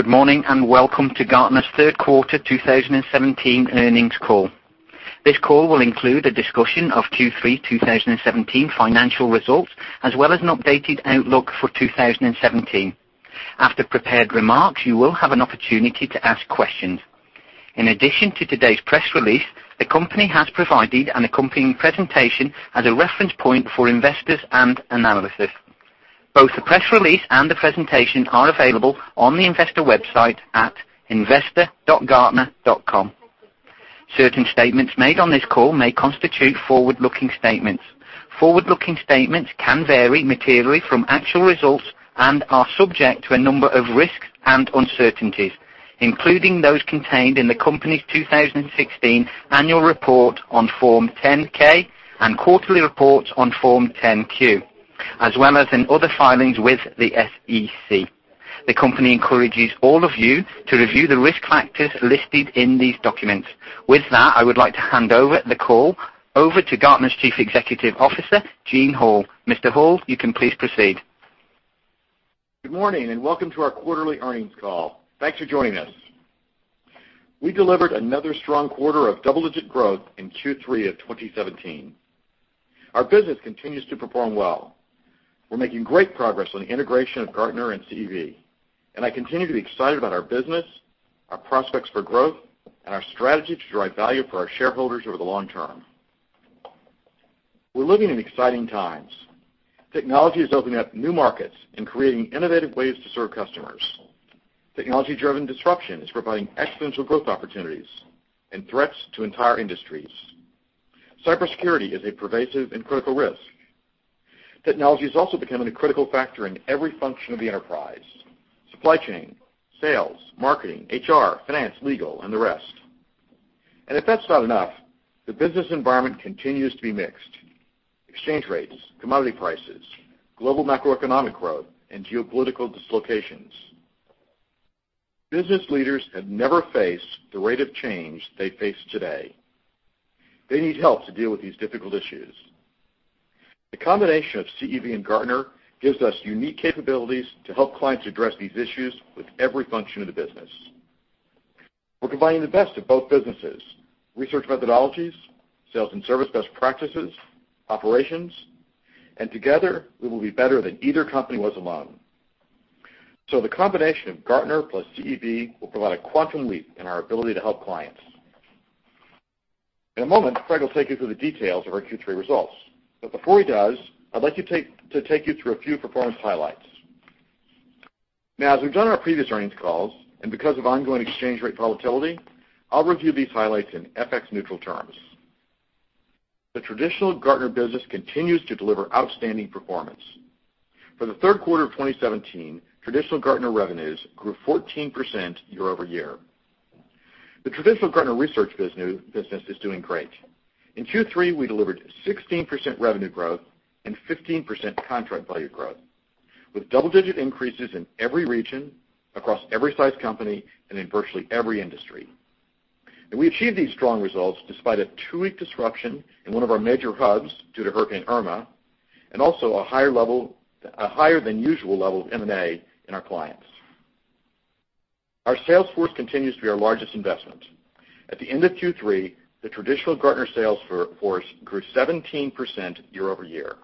Good morning, and welcome to Gartner's Q3 2017 Earnings Call. This call will include a discussion of Q3 2017 financial results, as well as an updated outlook for 2017. After prepared remarks, you will have an opportunity to ask questions. In addition to today's press release, the company has provided an accompanying presentation as a reference point for investors and analysis. Both the press release and the presentation are available on the investor website at investor.gartner.com. Certain statements made on this call may constitute forward-looking statements. Forward-looking statements can vary materially from actual results and are subject to a number of risks and uncertainties, including those contained in the company's 2016 annual report on Form 10-K and quarterly reports on Form 10-Q, as well as in other filings with the SEC. The company encourages all of you to review the risk factors listed in these documents. With that, I would like to hand over the call to Gartner's Chief Executive Officer, Gene Hall. Mr. Hall, you can please proceed. Good morning, and welcome to our quarterly Earnings Call. Thanks for joining us. We delivered another strong quarter of double-digit growth in Q3 of 2017. Our business continues to perform well. We're making great progress on the integration of Gartner and CEB, and I continue to be excited about our business, our prospects for growth, and our strategy to drive value for our shareholders over the long term. We're living in exciting times. Technology is opening up new markets and creating innovative ways to serve customers. Technology-driven disruption is providing exponential growth opportunities and threats to entire industries. Cybersecurity is a pervasive and critical risk. Technology is also becoming a critical factor in every function of the enterprise: Supply Chain, Sales, Marketing, HR, Finance, Legal, and the rest. If that's not enough, the business environment continues to be mixed. Exchange rates, commodity prices, global macroeconomic growth, and geopolitical dislocations. Business leaders have never faced the rate of change they face today. They need help to deal with these difficult issues. The combination of CEB and Gartner gives us unique capabilities to help clients address these issues with every function of the business. We're combining the best of both businesses, research methodologies, sales and service best practices, operations, and together we will be better than either company was alone. The combination of Gartner plus CEB will provide a quantum leap in our ability to help clients. In a moment, Craig will take you through the details of our Q3 results. Before he does, I'd like you to take you through a few performance highlights. As we've done our previous earnings calls, and because of ongoing exchange rate volatility, I'll review these highlights in FX neutral terms. The traditional Gartner business continues to deliver outstanding performance. For the Q3 of 2017, traditional Gartner revenues grew 14% year-over-year. The traditional Gartner research business is doing great. In Q3, we delivered 16% revenue growth and 15% contract value growth, with double-digit increases in every region across every size company and in virtually every industry. We achieved these strong results despite a 2-week disruption in one of our major hubs due to Hurricane Irma, and also a higher than usual level of M&A in our clients. Our sales force continues to be our largest investment. At the end of Q3, the traditional Gartner sales force grew 17% year-over-year.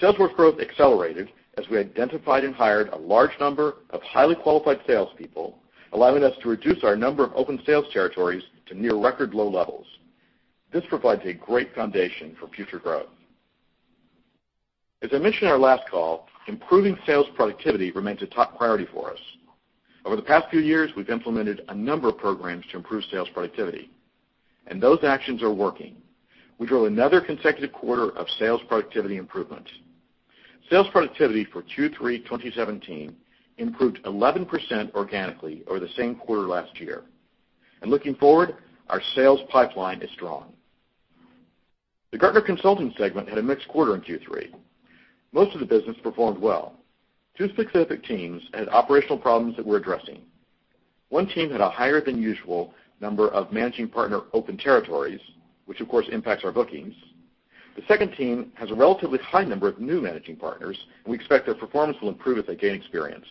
Sales force growth accelerated as we identified and hired a large number of highly qualified salespeople, allowing us to reduce our number of open sales territories to near record low levels. This provides a great foundation for future growth. As I mentioned in our last call, improving sales productivity remains a top priority for us. Over the past few years, we've implemented a number of programs to improve sales productivity. Those actions are working. We drove another consecutive quarter of sales productivity improvements. Sales productivity for Q3 2017 improved 11% organically over the same quarter last year. Looking forward, our sales pipeline is strong. The Gartner Consulting segment had a mixed quarter in Q3. Most of the business performed well. Two specific teams had operational problems that we're addressing. One team had a higher than usual number of managing partner open territories, which of course impacts our bookings. The second team has a relatively high number of new managing partners, and we expect their performance will improve as they gain experience.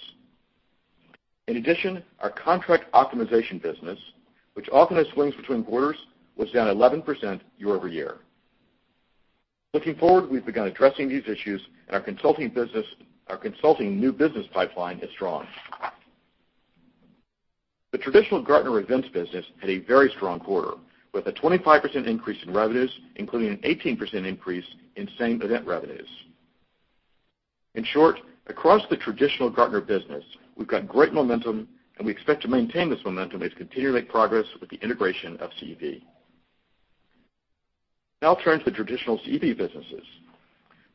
In addition, our contract optimization business, which often has swings between quarters, was down 11% year-over-year. Looking forward, we've begun addressing these issues, and our consulting new business pipeline is strong. The traditional Gartner events business had a very strong quarter, with a 25% increase in revenues, including an 18% increase in same event revenues. In short, across the traditional Gartner business, we've got great momentum, and we expect to maintain this momentum as we continue to make progress with the integration of CEB. Now turning to the traditional CEB businesses.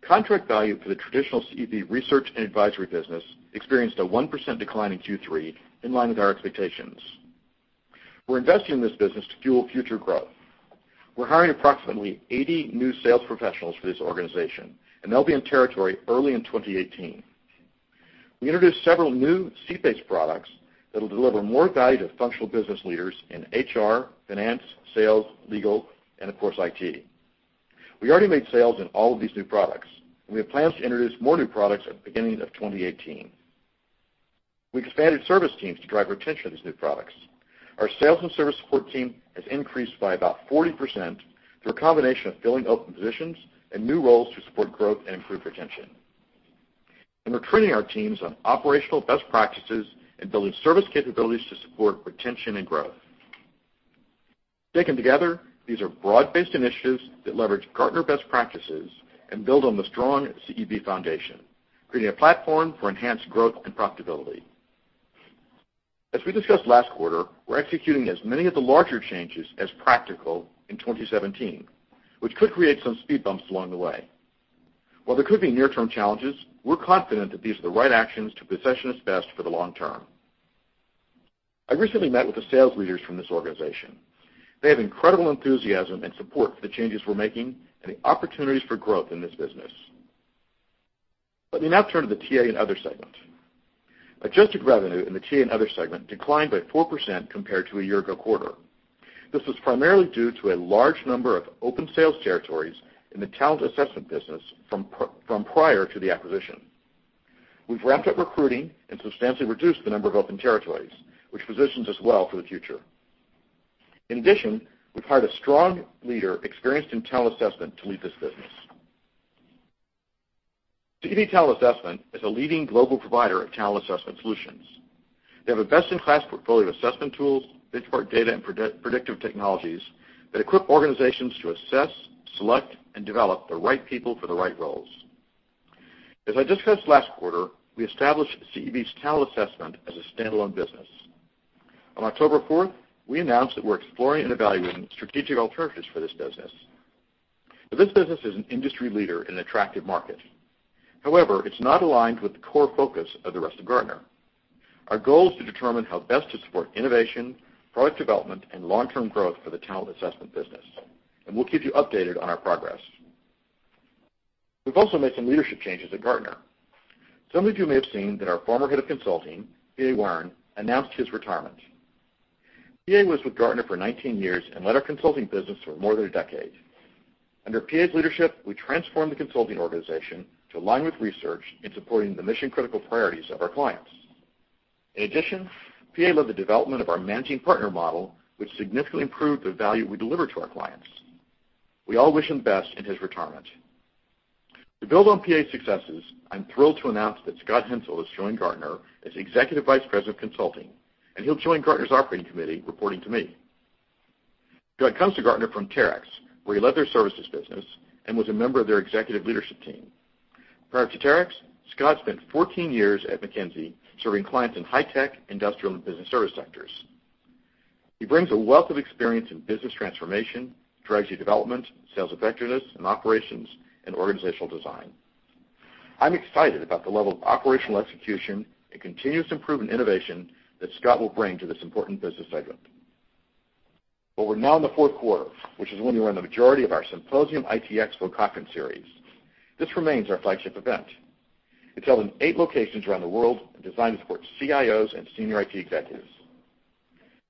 Contract value for the traditional CEB research and advisory business experienced a 1% decline in Q3, in line with our expectations. We're investing in this business to fuel future growth. We're hiring approximately 80 new sales professionals for this organization, and they'll be in territory early in 2018. We introduced several new seat-based products that'll deliver more value to functional business leaders in HR, Finance, Sales, Legal, and of course, IT. We already made sales in all of these new products. We have plans to introduce more new products at the beginning of 2018. We expanded service teams to drive retention of these new products. Our sales and service support team has increased by about 40% through a combination of filling open positions and new roles to support growth and improve retention. We're training our teams on operational best practices and building service capabilities to support retention and growth. Taken together, these are broad-based initiatives that leverage Gartner best practices and build on the strong CEB foundation, creating a platform for enhanced growth and profitability. As we discussed last quarter, we're executing as many of the larger changes as practical in 2017, which could create some speed bumps along the way. While there could be near-term challenges, we're confident that these are the right actions to position us best for the long term. I recently met with the sales leaders from this organization. They have incredible enthusiasm and support for the changes we're making and the opportunities for growth in this business. Let me now turn to the TA and Other segment. Adjusted revenue in the TA and Other segment declined by 4% compared to a year ago quarter. This was primarily due to a large number of open sales territories in the talent assessment business from prior to the acquisition. We've ramped up recruiting and substantially reduced the number of open territories, which positions us well for the future. In addition, we've hired a strong leader experienced in talent assessment to lead this business. CEB Talent Assessment is a leading global provider of talent assessment solutions. They have a best-in-class portfolio of assessment tools, benchmark data, and predictive technologies that equip organizations to assess, select, and develop the right people for the right roles. As I discussed last quarter, we established CEB Talent Assessment as a standalone business. On October 4th, we announced that we're exploring and evaluating strategic alternatives for this business. This business is an industry leader in an attractive market. However, it's not aligned with the core focus of the rest of Gartner. Our goal is to determine how best to support innovation, product development, and long-term growth for the talent assessment business, and we'll keep you updated on our progress. We've also made some leadership changes at Gartner. Some of you may have seen that our former head of consulting, PA Waern, announced his retirement. PA was with Gartner for 19 years and led our consulting business for more than a decade. Under PA's leadership, we transformed the consulting organization to align with research in supporting the mission-critical priorities of our clients. In addition, PA led the development of our managing partner model, which significantly improved the value we deliver to our clients. We all wish him the best in his retirement. To build on PA's successes, I'm thrilled to announce that Scott Hensel has joined Gartner as Executive Vice President of Consulting, and he'll join Gartner's operating committee, reporting to me. Scott comes to Gartner from Terex, where he led their services business and was a member of their executive leadership team. Prior to Terex, Scott spent 14 years at McKinsey, serving clients in high-tech, industrial, and business service sectors. He brings a wealth of experience in business transformation, strategy development, sales effectiveness, and operations and organizational design. I'm excited about the level of operational execution and continuous improvement innovation that Scott will bring to this important business segment. Well, we're now in the Q4, which is when we run the majority of our Gartner IT Symposium/Xpo Conference series. This remains our flagship event. It's held in eight locations around the world and designed to support CIOs and senior IT executives.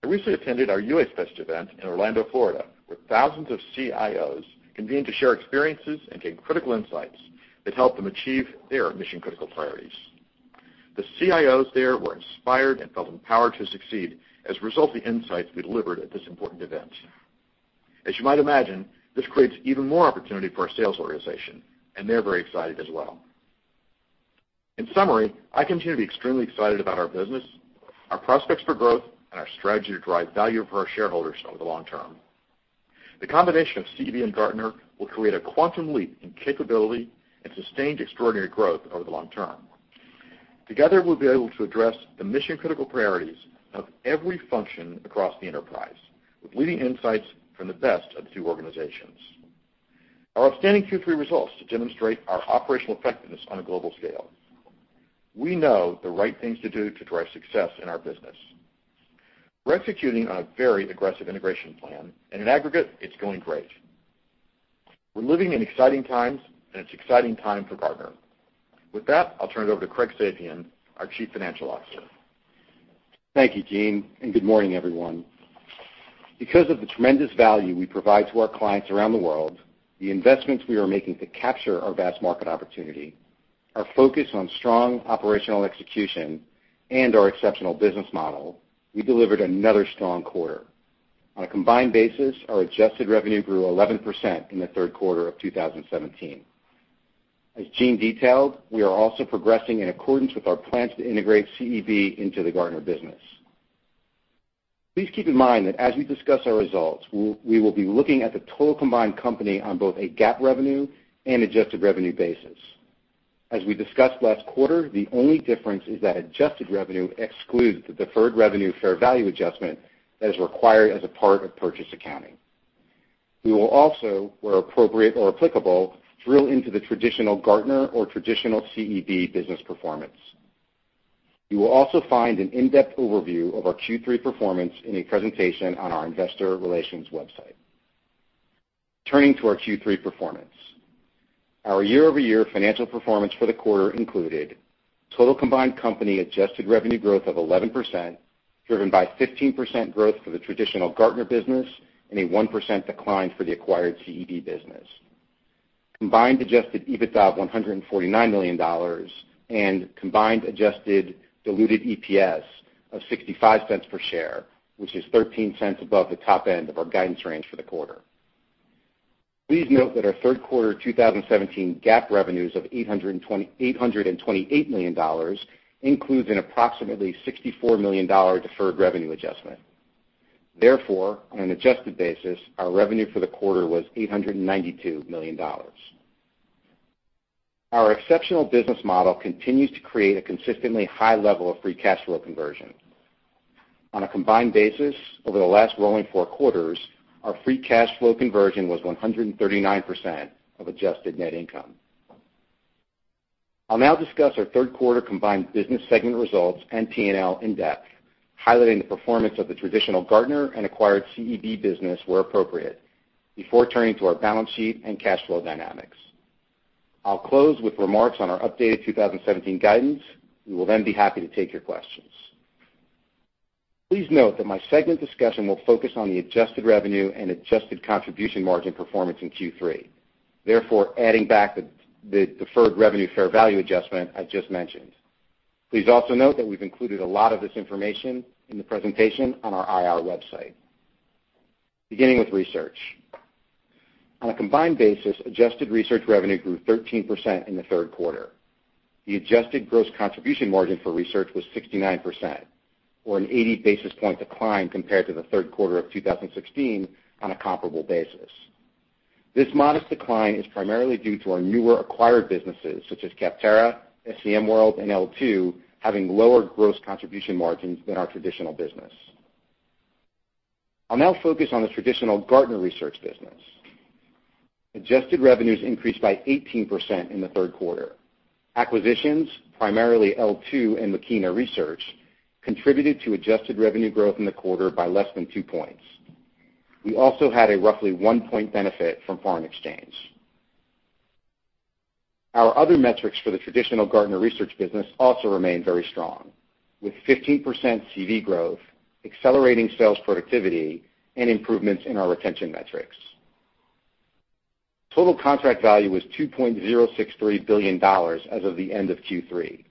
I recently attended our U.S.-based event in Orlando, Florida, where thousands of CIOs convened to share experiences and gain critical insights that help them achieve their mission-critical priorities. The CIOs there were inspired and felt empowered to succeed as a result of the insights we delivered at this important event. As you might imagine, this creates even more opportunity for our sales organization, and they're very excited as well. In summary, I continue to be extremely excited about our business, our prospects for growth, and our strategy to drive value for our shareholders over the long term. The combination of CEB and Gartner will create a quantum leap in capability and sustained extraordinary growth over the long term. Together, we'll be able to address the mission-critical priorities of every function across the enterprise with leading insights from the best of the two organizations. Our outstanding Q3 results demonstrate our operational effectiveness on a global scale. We know the right things to do to drive success in our business. We're executing on a very aggressive integration plan, and in aggregate, it's going great. We're living in exciting times, and it's an exciting time for Gartner. With that, I'll turn it over to Craig Safian, our Chief Financial Officer. Thank you, Gene, and good morning, everyone. Because of the tremendous value we provide to our clients around the world, the investments we are making to capture our vast market opportunity, our focus on strong operational execution, and our exceptional business model, we delivered another strong quarter. On a combined basis, our adjusted revenue grew 11% in the Q3 of 2017. As Gene detailed, we are also progressing in accordance with our plans to integrate CEB into the Gartner business. Please keep in mind that as we discuss our results, we will be looking at the total combined company on both a GAAP revenue and adjusted revenue basis. As we discussed last quarter, the only difference is that adjusted revenue excludes the deferred revenue fair value adjustment that is required as a part of purchase accounting. We will also, where appropriate or applicable, drill into the traditional Gartner or traditional CEB business performance. You will also find an in-depth overview of our Q3 performance in a presentation on our investor relations website. Turning to our Q3 performance. Our year-over-year financial performance for the quarter included total combined company adjusted revenue growth of 11%, driven by 15% growth for the traditional Gartner business and a 1% decline for the acquired CEB business. Combined Adjusted EBITDA of $149 million and combined Adjusted diluted EPS of $0.65 per share, which is $0.13 above the top end of our guidance range for the quarter. Please note that our Q3 2017 GAAP revenues of $828 million includes an approximately $64 million deferred revenue adjustment. On an adjusted basis, our revenue for the quarter was $892 million. Our exceptional business model continues to create a consistently high level of free cash flow conversion. On a combined basis, over the last rolling four quarters, our free cash flow conversion was 139% of adjusted net income. I'll now discuss our Q3 combined business segment results and P&L in depth, highlighting the performance of the traditional Gartner and acquired CEB business where appropriate, before turning to our balance sheet and cash flow dynamics. I'll close with remarks on our updated 2017 guidance. We will then be happy to take your questions. Please note that my segment discussion will focus on the adjusted revenue and adjusted contribution margin performance in Q3, adding back the deferred revenue fair value adjustment I just mentioned. Please also note that we've included a lot of this information in the presentation on our IR website. Beginning with research. On a combined basis, Adjusted research revenue grew 13% in the Q3. The adjusted gross contribution margin for research was 69% or an 80 basis point decline compared to the Q3 of 2015 on a comparable basis. This modest decline is primarily due to our newer acquired businesses such as Capterra, SCM World, and L2, having lower gross contribution margins than our traditional business. I'll now focus on the traditional Gartner research business. Adjusted revenues increased by 18% in the Q3. Acquisitions, primarily L2 and Machina Research, contributed to adjusted revenue growth in the quarter by less than 2 points. We also had a roughly 1-point benefit from foreign exchange. Our other metrics for the traditional Gartner research business also remain very strong, with 15% CV growth, accelerating sales productivity, and improvements in our retention metrics. Total contract value was $2.063 billion as of the end of Q3,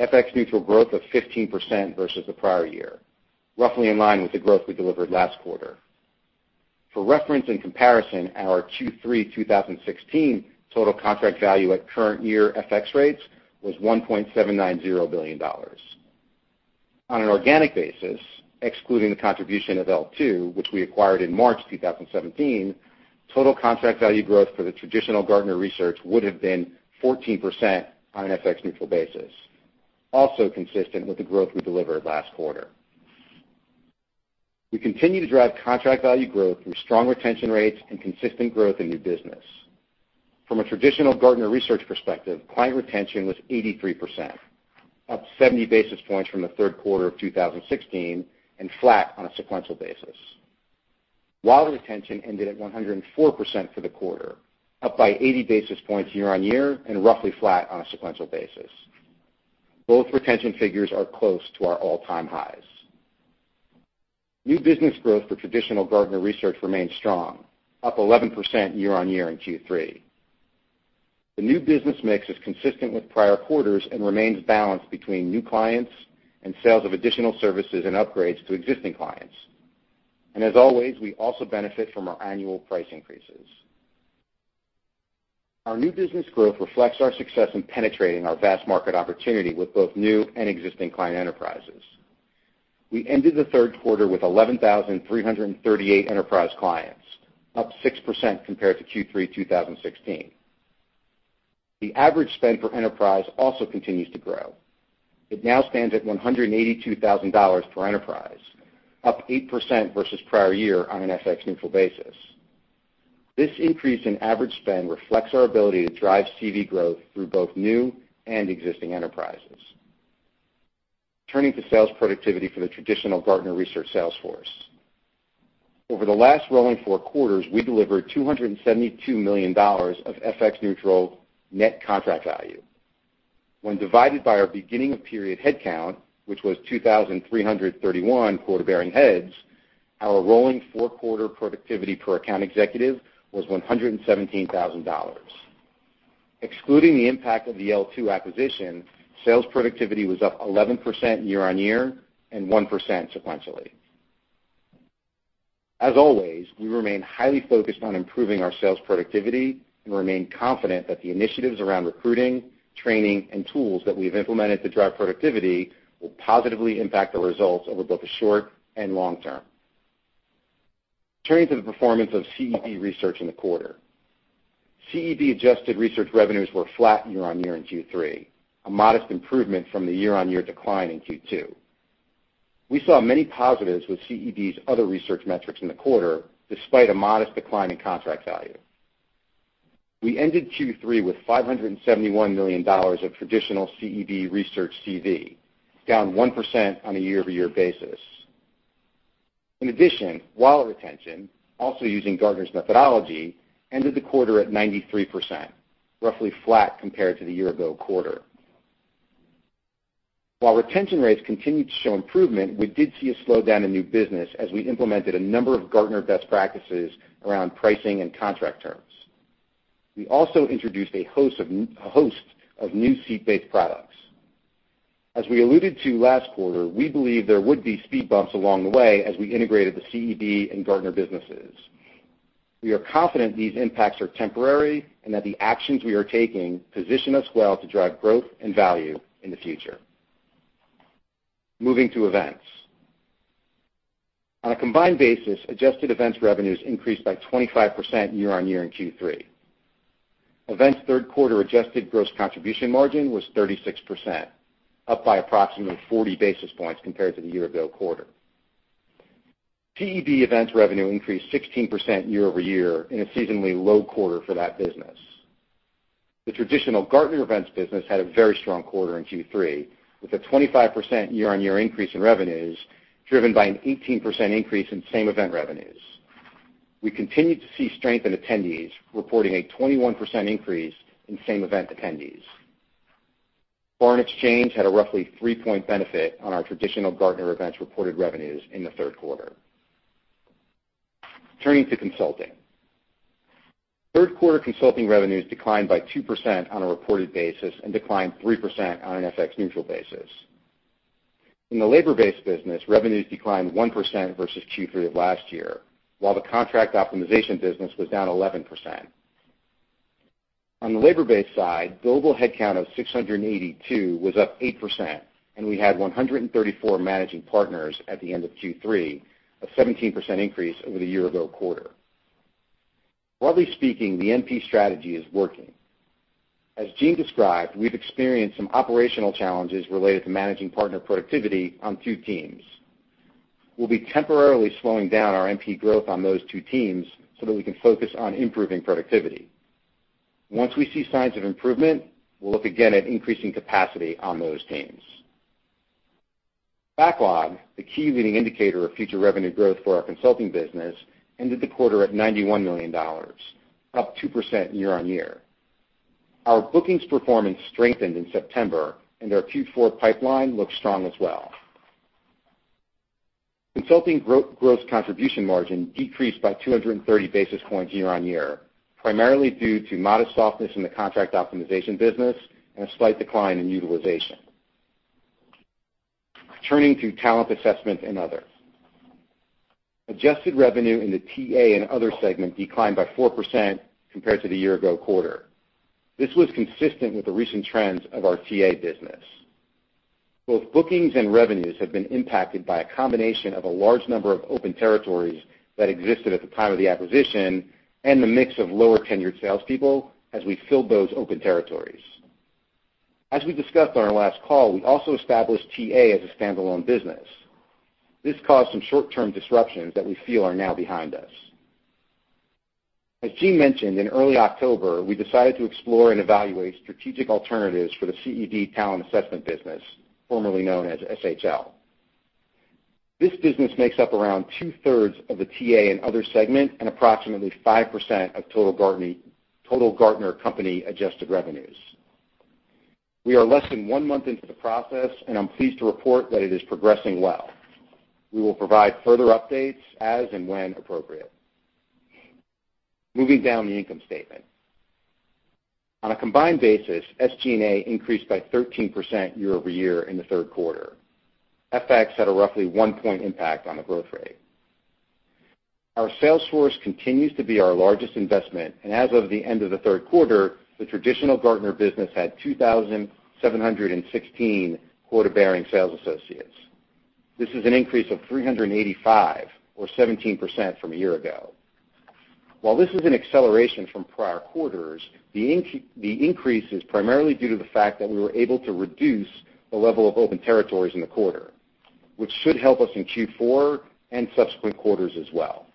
FX neutral growth of 15% versus the prior year, roughly in line with the growth we delivered last quarter. For reference and comparison, our Q3 2016 total contract value at current year FX rates was $1.790 billion. On an organic basis, excluding the contribution of L2, which we acquired in March 2017, total contract value growth for the traditional Gartner research would have been 14% on an FX neutral basis, also consistent with the growth we delivered last quarter. We continue to drive contract value growth through strong retention rates and consistent growth in new business. From a traditional Gartner research perspective, client retention was 83%, up 70 basis points from the Q3 of 2016 and flat on a sequential basis, while retention ended at 104% for the quarter, up by 80 basis points year-on-year and roughly flat on a sequential basis. Both retention figures are close to our all-time highs. New business growth for traditional Gartner research remains strong, up 11% year-on-year in Q3. The new business mix is consistent with prior quarters and remains balanced between new clients and sales of additional services and upgrades to existing clients. As always, we also benefit from our annual price increases. Our new business growth reflects our success in penetrating our vast market opportunity with both new and existing client enterprises. We ended the Q3 with 11,338 enterprise clients, up 6% compared to Q3 2016. The average spend per enterprise also continues to grow. It now stands at $182,000 per enterprise, up 8% versus prior year on an FX neutral basis. This increase in average spend reflects our ability to drive CV growth through both new and existing enterprises. Turning to sales productivity for the traditional Gartner Research sales force. Over the last rolling four quarters, we delivered $272 million of FX neutral net contract value. When divided by our beginning-of-period headcount, which was 2,331 quota-bearing heads, our rolling four-quarter productivity per account executive was $117,000. Excluding the impact of the L2 acquisition, sales productivity was up 11% year-on-year and 1% sequentially. As always, we remain highly focused on improving our sales productivity and remain confident that the initiatives around recruiting, training, and tools that we've implemented to drive productivity will positively impact the results over both the short and long term. Turning to the performance of CEB Research in the quarter. CEB adjusted research revenues were flat year-on-year in Q3, a modest improvement from the year-on-year decline in Q2. We saw many positives with CEB's other research metrics in the quarter, despite a modest decline in contract value. We ended Q3 with $571 million of traditional CEB research CV, down 1% on a year-over-year basis. In addition, wallet retention, also using Gartner's methodology, ended the quarter at 93%, roughly flat compared to the year-ago quarter. While retention rates continued to show improvement, we did see a slowdown in new business as we implemented a number of Gartner best practices around pricing and contract terms. We also introduced a host of new seat-based products. As we alluded to last quarter, we believe there would be speed bumps along the way as we integrated the CEB and Gartner businesses. We are confident these impacts are temporary and that the actions we are taking position us well to drive growth and value in the future. Moving to events. On a combined basis, adjusted events revenues increased by 25% year-on-year in Q3. Events Q3 adjusted gross contribution margin was 36%, up by approximately 40 basis points compared to the year-ago quarter. CEB events revenue increased 16% year-over-year in a seasonally low quarter for that business. The traditional Gartner events business had a very strong quarter in Q3 with a 25% year-on-year increase in revenues driven by an 18% increase in same event revenues. We continued to see strength in attendees, reporting a 21% increase in same event attendees. Foreign exchange had a roughly 3-point benefit on our traditional Gartner events reported revenues in the Q3. Turning to consulting. Q3 consulting revenues declined by 2% on a reported basis and declined 3% on an FX neutral basis. In the labor-based business, revenues declined 1% versus Q3 of last year, while the contract optimization business was down 11%. On the labor-based side, global headcount of 682 was up 8%, and we had 134 Managing Partners at the end of Q3, a 17% increase over the year-ago quarter. Broadly speaking, the MP strategy is working. As Gene described, we've experienced some operational challenges related to Managing Partner productivity on two teams. We'll be temporarily slowing down our MP growth on those two teams so that we can focus on improving productivity. Once we see signs of improvement, we'll look again at increasing capacity on those teams. Backlog, the key leading indicator of future revenue growth for our consulting business, ended the quarter at $91 million, up 2% year-on-year. Our bookings performance strengthened in September, and our Q4 pipeline looks strong as well. Consulting gross contribution margin decreased by 230 basis points year-on-year, primarily due to modest softness in the contract optimization business and a slight decline in utilization. Turning to talent assessment and other. Adjusted revenue in the TA and other segment declined by 4% compared to the year ago quarter. This was consistent with the recent trends of our TA business. Both bookings and revenues have been impacted by a combination of a large number of open territories that existed at the time of the acquisition and the mix of lower-tenured salespeople as we filled those open territories. As we discussed on our last call, we also established TA as a standalone business. This caused some short-term disruptions that we feel are now behind us. As Gene mentioned, in early October, we decided to explore and evaluate strategic alternatives for the CEB Talent Assessment business, formerly known as SHL. This business makes up around 2/3 of the TA and other segment and approximately 5% of total Gartner company adjusted revenues. We are less than 1 month into the process, and I'm pleased to report that it is progressing well. We will provide further updates as and when appropriate. Moving down the income statement. On a combined basis, SG&A increased by 13% year-over-year in the Q3. FX had a roughly 1 point impact on the growth rate. Our sales force continues to be our largest investment, and as of the end of the Q3, the traditional Gartner business had 2,716 quota-bearing sales associates. This is an increase of 385 or 17% from a year ago. While this is an acceleration from prior quarters, the increase is primarily due to the fact that we were able to reduce the level of open territories in the quarter, which should help us in Q4 and subsequent quarters as well.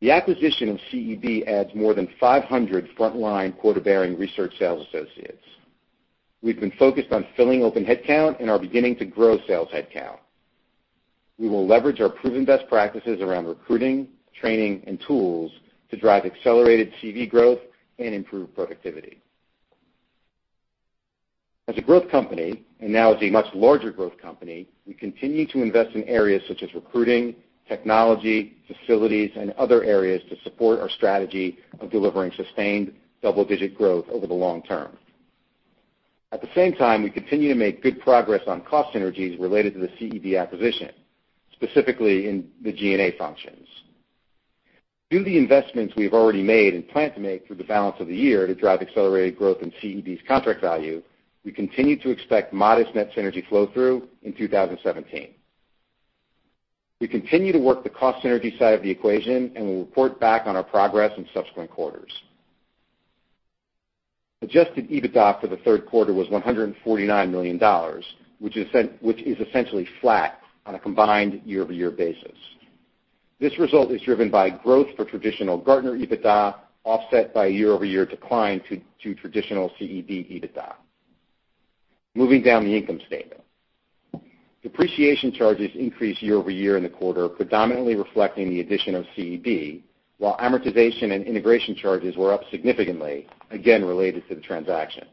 The acquisition of CEB adds more than 500 frontline quota-bearing research sales associates. We've been focused on filling open headcount and are beginning to grow sales headcount. We will leverage our proven best practices around recruiting, training, and tools to drive accelerated CEB growth and improve productivity. As a growth company, and now as a much larger growth company, we continue to invest in areas such as recruiting, technology, facilities, and other areas to support our strategy of delivering sustained double-digit growth over the long term. At the same time, we continue to make good progress on cost synergies related to the CEB acquisition, specifically in the G&A functions. Through the investments we have already made and plan to make through the balance of the year to drive accelerated growth in CEB's contract value, we continue to expect modest net synergy flow through in 2017. We continue to work the cost synergy side of the equation and will report back on our progress in subsequent quarters. Adjusted EBITDA for the Q3 was $149 million, which is essentially flat on a combined year-over-year basis. This result is driven by growth for traditional Gartner EBITDA offset by year-over-year decline to traditional CEB EBITDA. Moving down the income statement. Depreciation charges increased year-over-year in the quarter, predominantly reflecting the addition of CEB, while amortization and integration charges were up significantly, again, related to the transaction.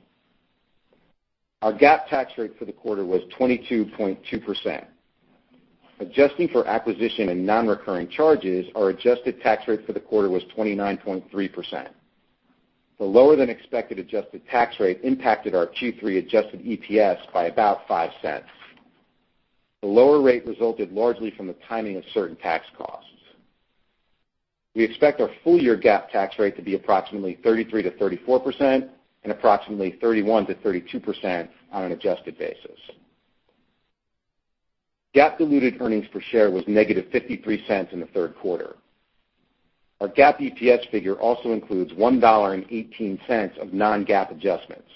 Our GAAP tax rate for the quarter was 22.2%. Adjusting for acquisition and non-recurring charges, our Adjusted tax rate for the quarter was 29.3%. The lower than expected adjusted tax rate impacted our Q3 Adjusted EPS by about $0.05. The lower rate resulted largely from the timing of certain tax costs. We expect our full year GAAP tax rate to be approximately 33%-34% and approximately 31%-32% on an adjusted basis. GAAP diluted earnings per share was -$0.53 in the Q3. Our GAAP EPS figure also includes $1.18 of non-GAAP adjustments.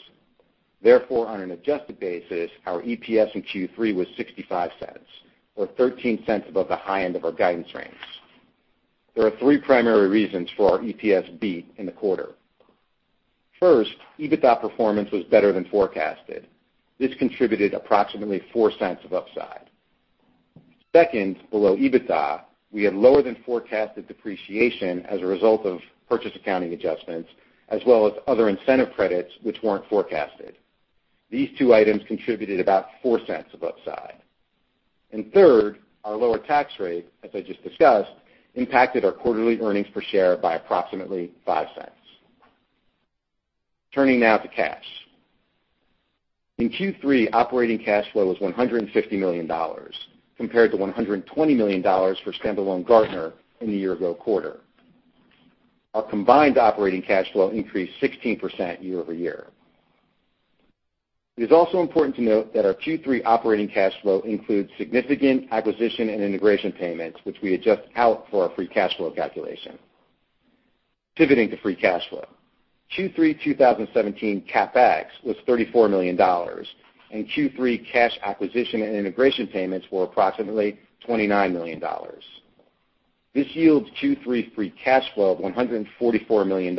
Therefore, on an adjusted basis, our EPS in Q3 was $0.65, or $0.13 above the high end of our guidance range. There are 3 primary reasons for our EPS beat in the quarter. First, EBITDA performance was better than forecasted. This contributed approximately $0.04 of upside. Second, below EBITDA, we had lower than forecasted depreciation as a result of purchase accounting adjustments, as well as other incentive credits which weren't forecasted. These two items contributed about $0.04 of upside. Third, our lower tax rate, as I just discussed, impacted our quarterly earnings per share by approximately $0.05. Turning now to cash. In Q3, operating cash flow was $150 million compared to $120 million for standalone Gartner in the year-ago quarter. Our combined operating cash flow increased 16% year-over-year. It is also important to note that our Q3 operating cash flow includes significant acquisition and integration payments, which we adjust out for our free cash flow calculation. Pivoting to free cash flow. Q3 2017 CapEx was $34 million, and Q3 cash acquisition and integration payments were approximately $29 million. This yields Q3 free cash flow of $144 million,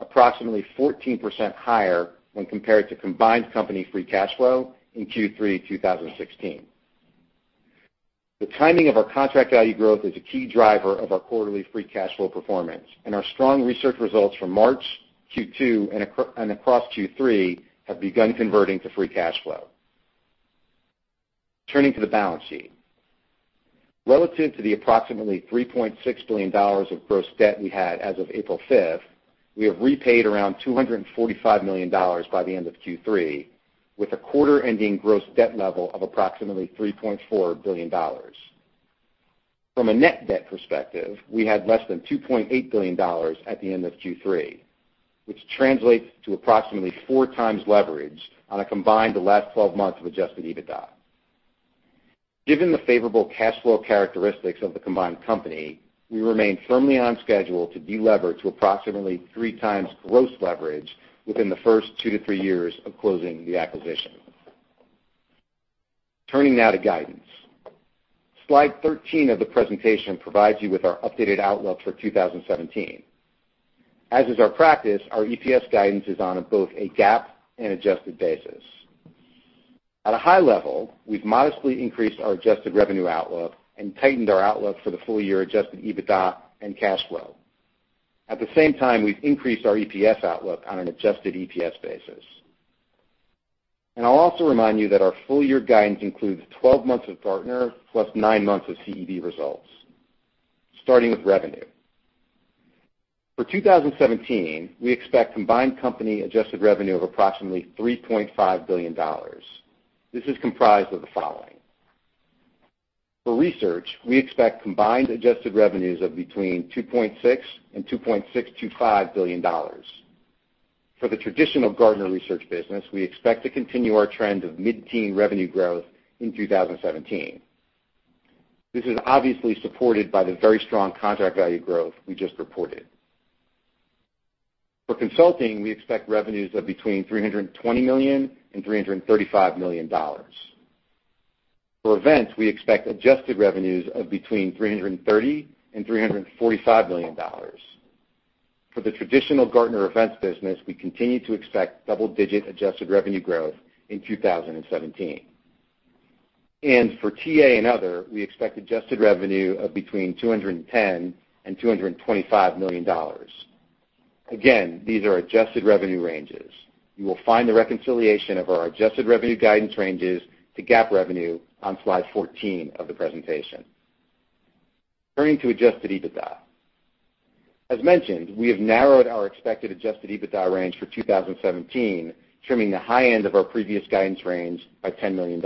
approximately 14% higher when compared to combined company free cash flow in Q3 2016. The timing of our contract value growth is a key driver of our quarterly free cash flow performance, and our strong research results from March, Q2, and across Q3 have begun converting to free cash flow. Turning to the balance sheet. Relative to the approximately $3.6 billion of gross debt we had as of April 5th, we have repaid around $245 million by the end of Q3, with a quarter-ending gross debt level of approximately $3.4 billion. From a net debt perspective, we had less than $2.8 billion at the end of Q3, which translates to approximately 4x leverage on a combined the last 12 months of adjusted EBITDA. Given the favorable cash flow characteristics of the combined company, we remain firmly on schedule to delever to approximately 3x gross leverage within the first two to three years of closing the acquisition. Turning now to guidance. Slide 13 of the presentation provides you with our updated outlook for 2017. As is our practice, our EPS guidance is on both a GAAP and adjusted basis. At a high level, we've modestly increased our Adjusted revenue outlook and tightened our outlook for the full year Adjusted EBITDA and cash flow. At the same time, we've increased our EPS outlook on an Adjusted EPS basis. I'll also remind you that our full year guidance includes 12 months of Gartner plus nine months of CEB results. Starting with revenue. For 2017, we expect combined company adjusted revenue of approximately $3.5 billion. This is comprised of the following. For research, we expect combined Adjusted revenues of between $2.6 billion-$2.625 billion. For the traditional Gartner Research business, we expect to continue our trend of mid-teen revenue growth in 2017. This is obviously supported by the very strong contract value growth we just reported. For consulting, we expect revenues of between $320 million and $335 million. For events, we expect Adjusted revenues of between $330 million and $345 million. For the traditional Gartner events business, we continue to expect double-digit adjusted revenue growth in 2017. For TA and other, we expect adjusted revenue of between $210 million and $225 million. Again, these are Adjusted revenue ranges. You will find the reconciliation of our adjusted revenue guidance ranges to GAAP revenue on slide 14 of the presentation. Turning to Adjusted EBITDA. As mentioned, we have narrowed our expected Adjusted EBITDA range for 2017, trimming the high end of our previous guidance range by $10 million.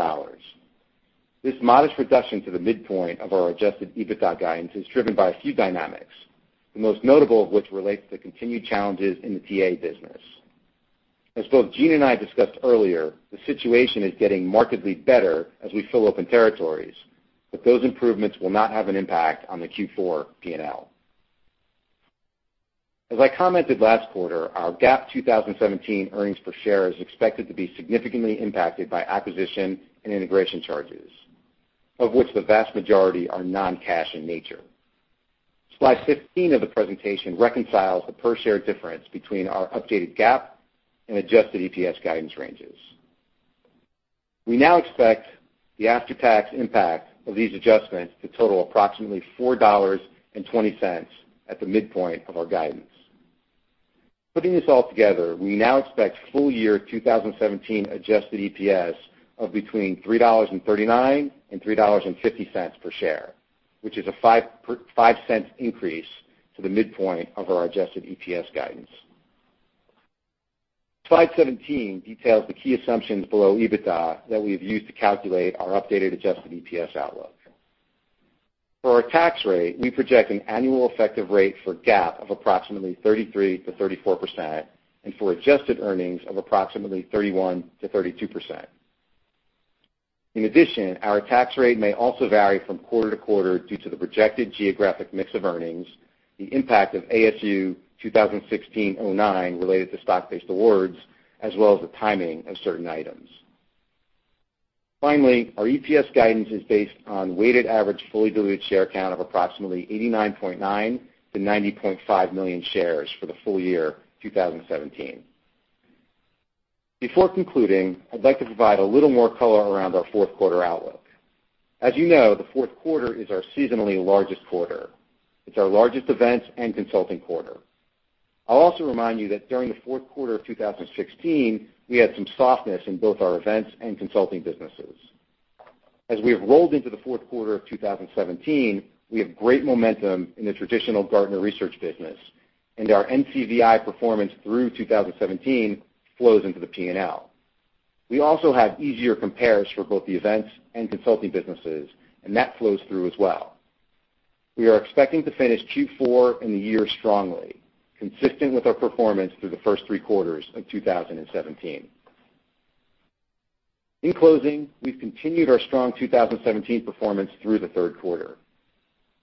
This modest reduction to the midpoint of our adjusted EBITDA guidance is driven by a few dynamics, the most notable of which relates to the continued challenges in the TA business. As both Gene and I discussed earlier, the situation is getting markedly better as we fill open territories, but those improvements will not have an impact on the Q4 P&L. As I commented last quarter, our GAAP 2017 earnings per share is expected to be significantly impacted by acquisition and integration charges, of which the vast majority are non-cash in nature. Slide 15 of the presentation reconciles the per share difference between our updated GAAP and Adjusted EPS guidance ranges. We now expect the after-tax impact of these adjustments to total approximately $4.20 at the midpoint of our guidance. Putting this all together, we now expect full year 2017 adjusted EPS of between $3.39 and $3.50 per share, which is a 5 cent increase to the midpoint of our Adjusted EPS guidance. Slide 17 details the key assumptions below EBITDA that we have used to calculate our updated adjusted EPS outlook. For our tax rate, we project an annual effective rate for GAAP of approximately 33%-34% and for Adjusted earnings of approximately 31%-32%. In addition, our tax rate may also vary from quarter to quarter due to the projected geographic mix of earnings, the impact of ASU 2016-09 related to stock-based awards, as well as the timing of certain items. Finally, our EPS guidance is based on weighted average fully diluted share count of approximately 89.9 million-90.5 million shares for the full year 2017. Before concluding, I'd like to provide a little more color around our Q4 outlook. As you know, the Q4 is our seasonally largest quarter. It's our largest events and consulting quarter. I'll also remind you that during the Q4 of 2016, we had some softness in both our events and consulting businesses. As we have rolled into the Q4 of 2017, we have great momentum in the traditional Gartner research business, and our NCVI performance through 2017 flows into the P&L. We also have easier compares for both the events and consulting businesses, and that flows through as well. We are expecting to finish Q4 and the year strongly, consistent with our performance through the first three quarters of 2017. In closing, we've continued our strong 2017 performance through the Q3.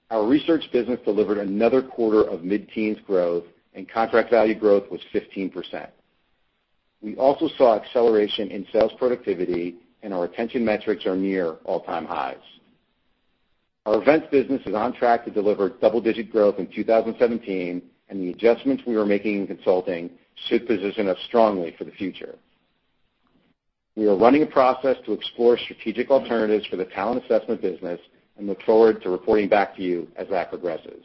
Our research business delivered another quarter of mid-teens growth and contract value growth was 15%. We also saw acceleration in sales productivity, and our retention metrics are near all-time highs. Our events business is on track to deliver double-digit growth in 2017, and the adjustments we are making in consulting should position us strongly for the future. We are running a process to explore strategic alternatives for the Talent Assessment business and look forward to reporting back to you as that progresses.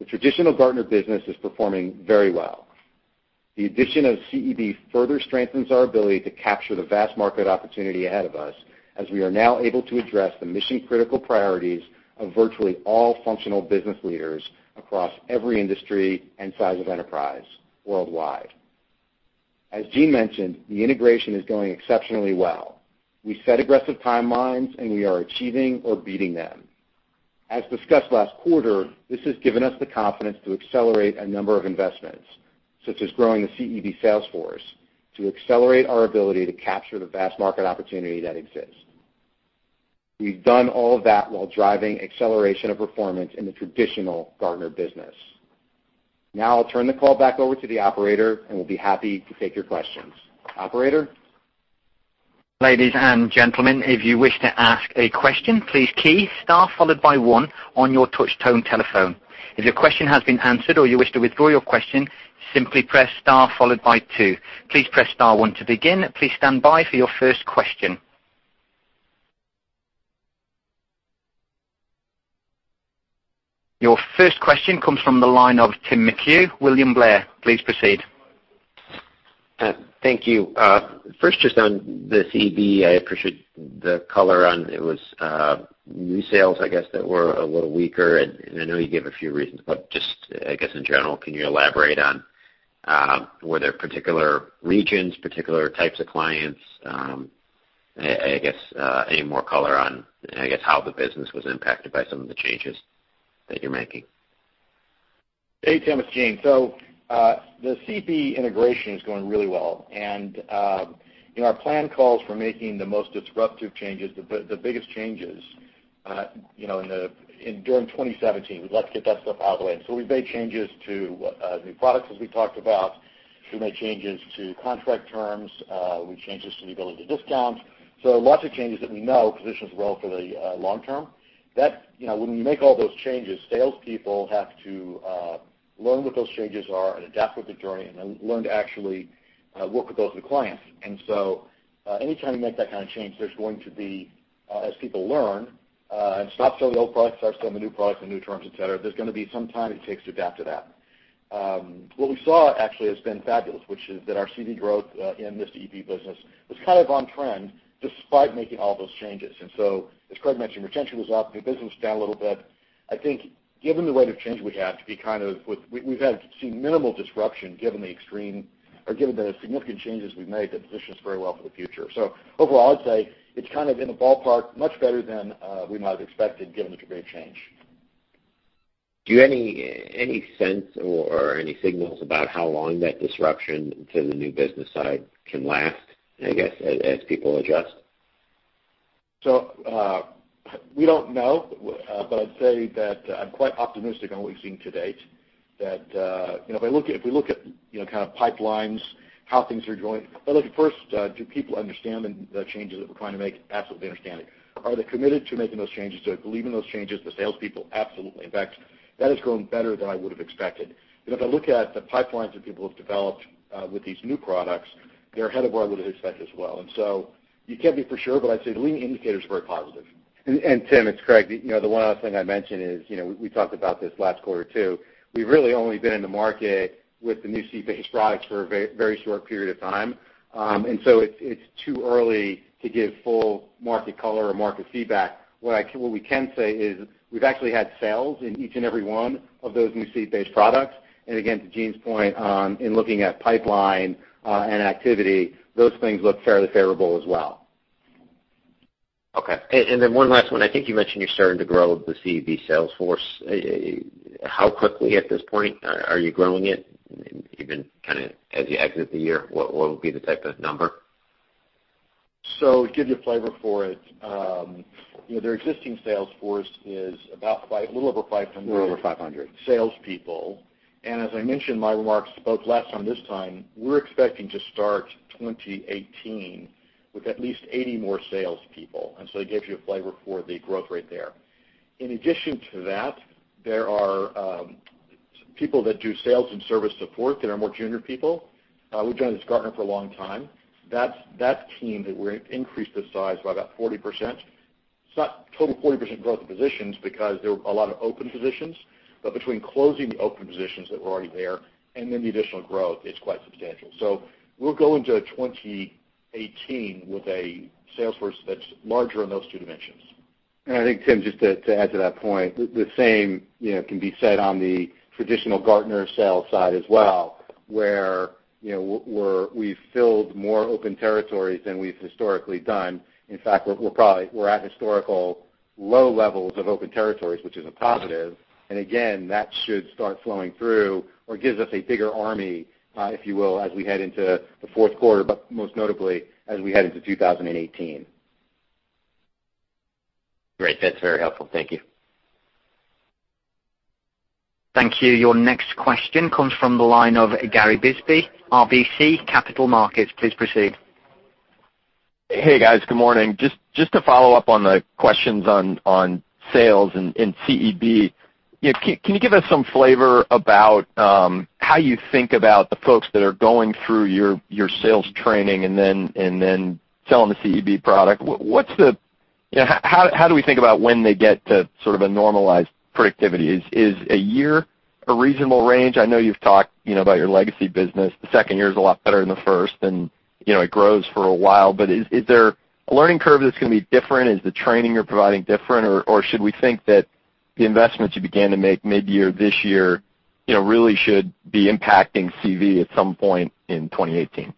The traditional Gartner business is performing very well. The addition of CEB further strengthens our ability to capture the vast market opportunity ahead of us, as we are now able to address the mission-critical priorities of virtually all functional business leaders across every industry and size of enterprise worldwide. As Gene mentioned, the integration is going exceptionally well. We set aggressive timelines, and we are achieving or beating them. As discussed last quarter, this has given us the confidence to accelerate a number of investments, such as growing the CEB sales force, to accelerate our ability to capture the vast market opportunity that exists. We've done all of that while driving acceleration of performance in the traditional Gartner business. Now I'll turn the call back over to the operator, and we'll be happy to take your questions. Operator? Your first question comes from the line of Timothy McHugh, William Blair. Please proceed. Thank you. First, just on the CEB, I appreciate the color on it was new sales, I guess, that were a little weaker, and I know you gave a few reasons, but just, I guess, in general, can you elaborate on, were there particular regions, particular types of clients, I guess, any more color on, I guess, how the business was impacted by some of the changes that you're making? Hey, Tim, it's Gene. The CEB integration is going really well, and, you know, our plan calls for making the most disruptive changes, the biggest changes, you know, during 2017. We'd love to get that stuff out of the way. We've made changes to new products as we talked about. We've made changes to contract terms, we made changes to the ability to discount. Lots of changes that we know positions well for the long term. That, you know, when you make all those changes, salespeople have to learn what those changes are and adapt with the journey and then learn to actually work with those new clients. Any time you make that kind of change, there's going to be, as people learn, and stop selling the old products, start selling the new products and new terms, et cetera, there's going to be some time it takes to adapt to that. What we saw actually has been fabulous, which is that our CEB growth in this [EP] business was kind of on trend despite making all those changes. As Craig mentioned, retention was up, new business down a little bit. I think given the rate of change we've had to see minimal disruption given the extreme or given the significant changes we've made that positions very well for the future. Overall, I'd say it's kind of in the ballpark much better than we might have expected given the degree of change. Do you any sense or any signals about how long that disruption to the new business side can last, I guess, as people adjust? We don't know, but I'd say that I'm quite optimistic on what we've seen to date. That, you know, if we look at, you know, kind of pipelines, how things are going. Well, look, first, do people understand the changes that we're trying to make? Absolutely understand it. Are they committed to making those changes? Do they believe in those changes, the salespeople? Absolutely. In fact, that has grown better than I would've expected. You know, if I look at the pipelines that people have developed, with these new products, they're ahead of where I would've expected as well. You can't be for sure, but I'd say the leading indicators are very positive. Tim, it's Craig. The one other thing I'd mention is we talked about this last quarter too. We've really only been in the market with the new seat-based products for a very short period of time. It's too early to give full market color or market feedback. What we can say is we've actually had sales in each and every one of those new seat-based products. Again, to Gene's point on, in looking at pipeline, and activity, those things look fairly favorable as well. Okay. Then one last one. I think you mentioned you're starting to grow the CEB sales force. How quickly at this point are you growing it? Even kind of as you exit the year, what would be the type of number? To give you a flavor for it, you know, their existing sales force is about a little over $500. Little over $500. Salespeople. As I mentioned in my remarks both last time and this time, we're expecting to start 2018 with at least 80 more salespeople. So it gives you a flavor for the growth rate there. In addition to that, there are people that do sales and service support that are more junior people. We've done this at Gartner for a long time. That team that we're increased the size by about 40%. It's not total 40% growth in positions because there were a lot of open positions. Between closing the open positions that were already there and then the additional growth, it's quite substantial. We'll go into 2018 with a sales force that's larger in those two dimensions. I think, Tim, just to add to that point, the same, you know, can be said on the traditional Gartner sales side as well, where, you know, we've filled more open territories than we've historically done. In fact, we're probably at historical low levels of open territories, which is a positive. Again, that should start flowing through or gives us a bigger army, if you will, as we head into the Q4, but most notably as we head into 2018. Great. That's very helpful. Thank you. Thank you. Your next question comes from the line of Gary Bisbee, RBC Capital Markets. Please proceed. Hey, guys. Good morning. Just to follow up on the questions on sales and CEB, you know, can you give us some flavor about how you think about the folks that are going through your sales training and then selling the CEB product? You know, how do we think about when they get to sort of a normalized productivity? Is a year a reasonable range? I know you've talked, you know, about your legacy business. The second year is a lot better than the first, and, you know, it grows for a while. Is there a learning curve that's going to be different? Is the training you're providing different? Should we think that the investments you began to make midyear this year, you know, really should be impacting CEB at some point in 2018?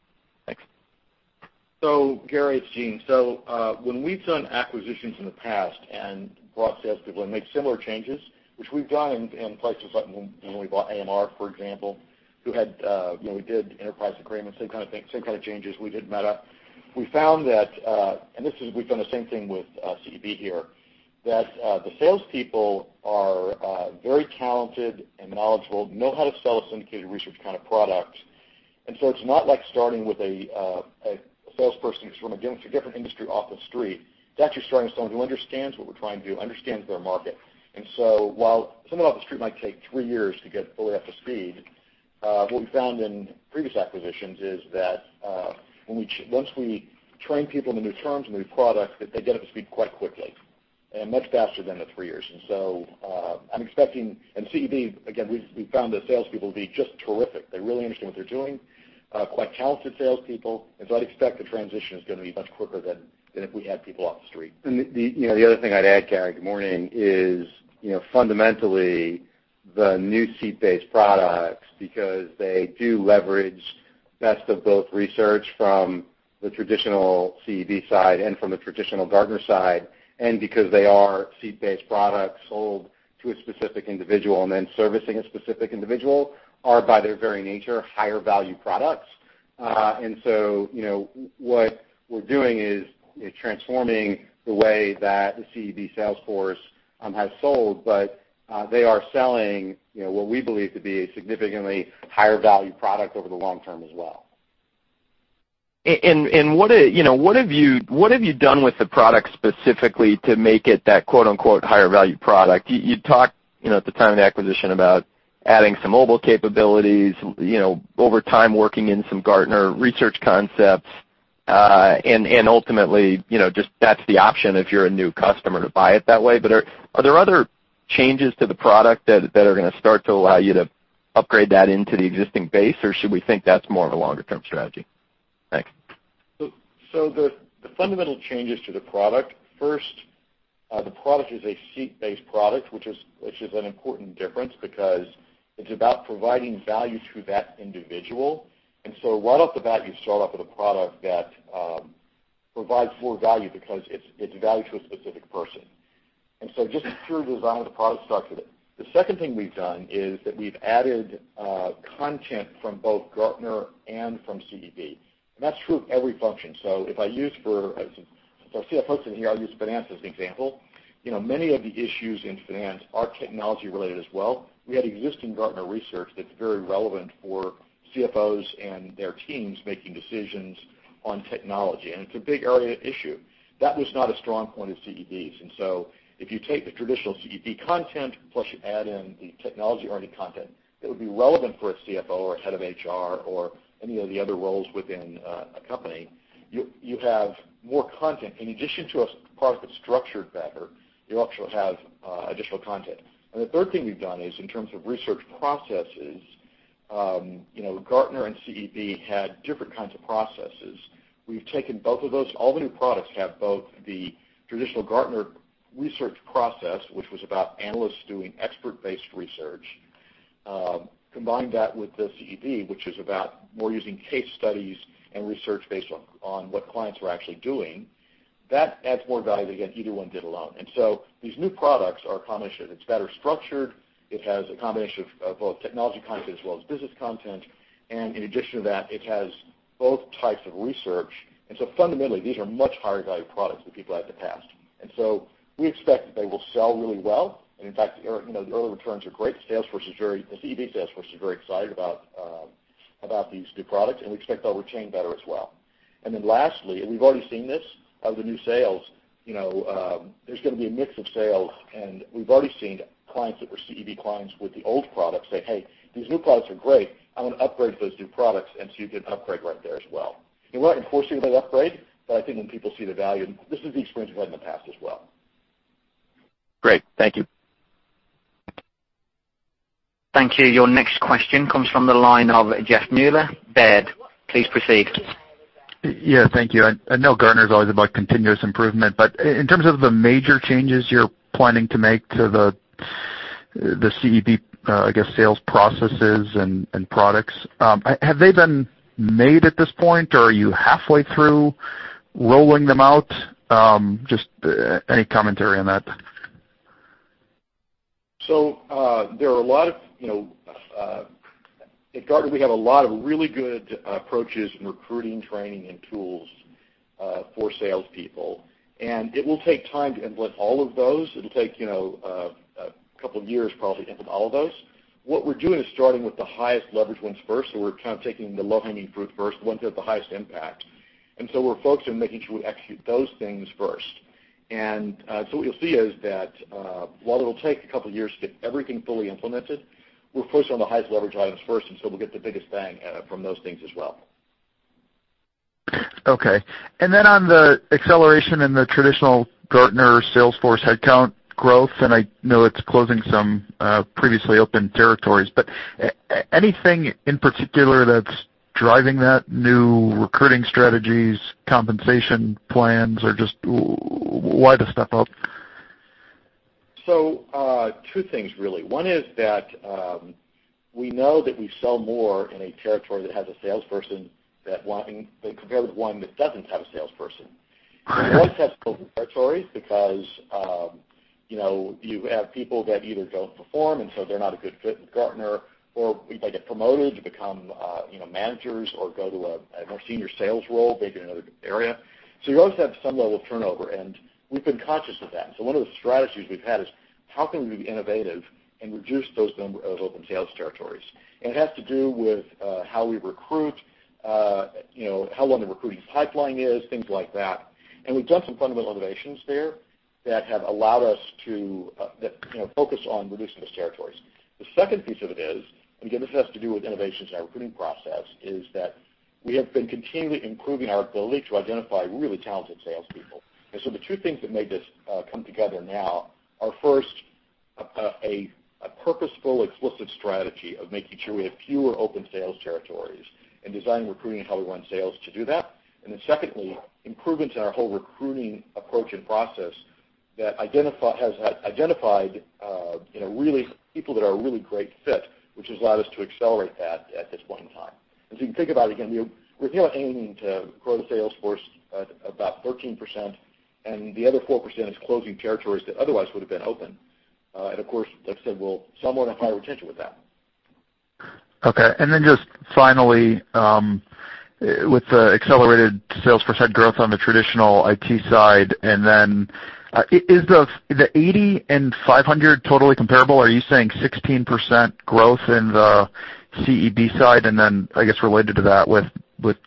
Thanks. Gary Bisbee, it's Eugene A. Hall. When we've done acquisitions in the past and brought salespeople and made similar changes, which we've done in places like when we bought AMR Research, for example, who had, you know, we did enterprise agreements, same kind of thing, same kind of changes, we did Meta Group. We found that, and we've done the same thing with CEB here, that the salespeople are very talented and knowledgeable, know how to sell syndicated research kind of product. It's not like starting with a salesperson who's from a different industry off the street. It's actually starting with someone who understands what we're trying to do, understands their market. While someone off the street might take three years to get fully up to speed, what we found in previous acquisitions is that, once we train people in the new terms and the new product, that they get up to speed quite quickly, and much faster than the three years. I'm expecting In CEB, again, we found the salespeople to be just terrific. They really understand what they're doing, quite talented salespeople, I'd expect the transition is going to be much quicker than if we had people off the street. The, you know, the other thing I'd add, Gary, good morning, is, you know, fundamentally, the new seat-based products, because they do leverage best of both research from the traditional CEB side and from the traditional Gartner side, and because they are seat-based products sold to a specific individual and then servicing a specific individual, are by their very nature higher value products. You know, what we're doing is transforming the way that the CEB sales force has sold, they are selling, you know, what we believe to be a significantly higher value product over the long term as well. What are, you know, what have you done with the product specifically to make it that quote-unquote higher value product? You talked, you know, at the time of the acquisition about adding some mobile capabilities, you know, over time working in some Gartner research concepts, and ultimately, you know, just that's the option if you're a new customer to buy it that way. Are there other changes to the product that are going to start to allow you to upgrade that into the existing base? Or should we think that's more of a longer term strategy? Thanks. The fundamental changes to the product, first, the product is a seat-based product, which is an important difference because it's about providing value to that individual. Right off the bat, you start off with a product that provides more value because it's value to a specific person. Just a pure design of the product structure. The second thing we've done is that we've added content from both Gartner and from CEB. That's true of every function. If I use for There's some CFOs in here, I'll use finance as an example. You know, many of the issues in finance are technology-related as well. We had existing Gartner research that's very relevant for CFOs and their teams making decisions on technology, and it's a big area issue. That was not a strong point of CEB's. If you take the traditional CEB content, plus you add in the technology-oriented content that would be relevant for a CFO or a head of HR or any of the other roles within a company, you have more content. In addition to a product that's structured better, you also have additional content. The third thing we've done is in terms of research processes, you know, Gartner and CEB had different kinds of processes. We've taken both of those. All the new products have both the traditional Gartner research process, which was about analysts doing expert-based research, combine that with the CEB, which is about more using case studies and research based on what clients were actually doing. That adds more value than, again, either one did alone. These new products are a combination. It's better structured, it has a combination of both technology content as well as business content. In addition to that, it has both types of research. Fundamentally, these are much higher value products than people had in the past. We expect that they will sell really well. In fact, you know, the early returns are great. The CEB sales force is very excited about these new products. We expect they'll retain better as well. Lastly, we've already seen this, out of the new sales, you know, there's going to be a mix of sales. We've already seen clients that were CEB clients with the old product say, "Hey, these new products are great. I want to upgrade to those new products." You can upgrade right there as well. We're not enforcing that upgrade. I think when people see the value, this is the experience we've had in the past as well. Great. Thank you. Thank you. Your next question comes from the line of Jeffrey Meuler, Baird. Please proceed. Yeah. Thank you. I know Gartner is always about continuous improvement, in terms of the major changes you're planning to make to the CEB, I guess, sales processes and products, have they been made at this point, or are you halfway through rolling them out? Just any commentary on that? There are a lot of, you know, At Gartner we have a lot of really good approaches in recruiting, training, and tools for salespeople. It will take time to implement all of those. It'll take, you know, a couple years probably to implement all of those. What we're doing is starting with the highest leverage ones first, so we're kind of taking the low-hanging fruit first, the ones that have the highest impact. We're focused on making sure we execute those things first. What you'll see is that, while it'll take a couple of years to get everything fully implemented, we're focused on the highest leverage items first, we'll get the biggest bang out from those things as well. Okay. On the acceleration in the traditional Gartner sales force headcount growth, I know it's closing some previously open territories, but anything in particular that's driving that? New recruiting strategies, compensation plans, or just why the step up? Two things really. One is that we know that we sell more in a territory that has a salesperson that compared with one that doesn't have a salesperson. You always have open territories because you have people that either don't perform, and so they're not a good fit with Gartner, or they get promoted to become managers or go to a more senior sales role, maybe in another area. You always have some level of turnover, and we've been conscious of that. One of the strategies we've had is: How can we be innovative and reduce those number of open sales territories? It has to do with how we recruit, how long the recruiting pipeline is, things like that. We've done some fundamental innovations there that have allowed us to, you know, focus on reducing those territories. The second piece of it is, and again, this has to do with innovations in our recruiting process, is that we have been continually improving our ability to identify really talented salespeople. The two things that made this come together now are, first, a purposeful, explicit strategy of making sure we have fewer open sales territories and designing recruiting and how we run sales to do that. Secondly, improvements in our whole recruiting approach and process that has identified, you know, people that are a really great fit, which has allowed us to accelerate that at this point in time. You can think about, again, we're aiming to grow the sales force about 13%, and the other 4% is closing territories that otherwise would have been open. Of course, like I said, we'll somewhat have higher retention with that. Okay. Just finally, with the accelerated sales % growth on the traditional IT side, is the 80 and 500 totally comparable? Are you saying 16% growth in the CEB side? I guess, related to that with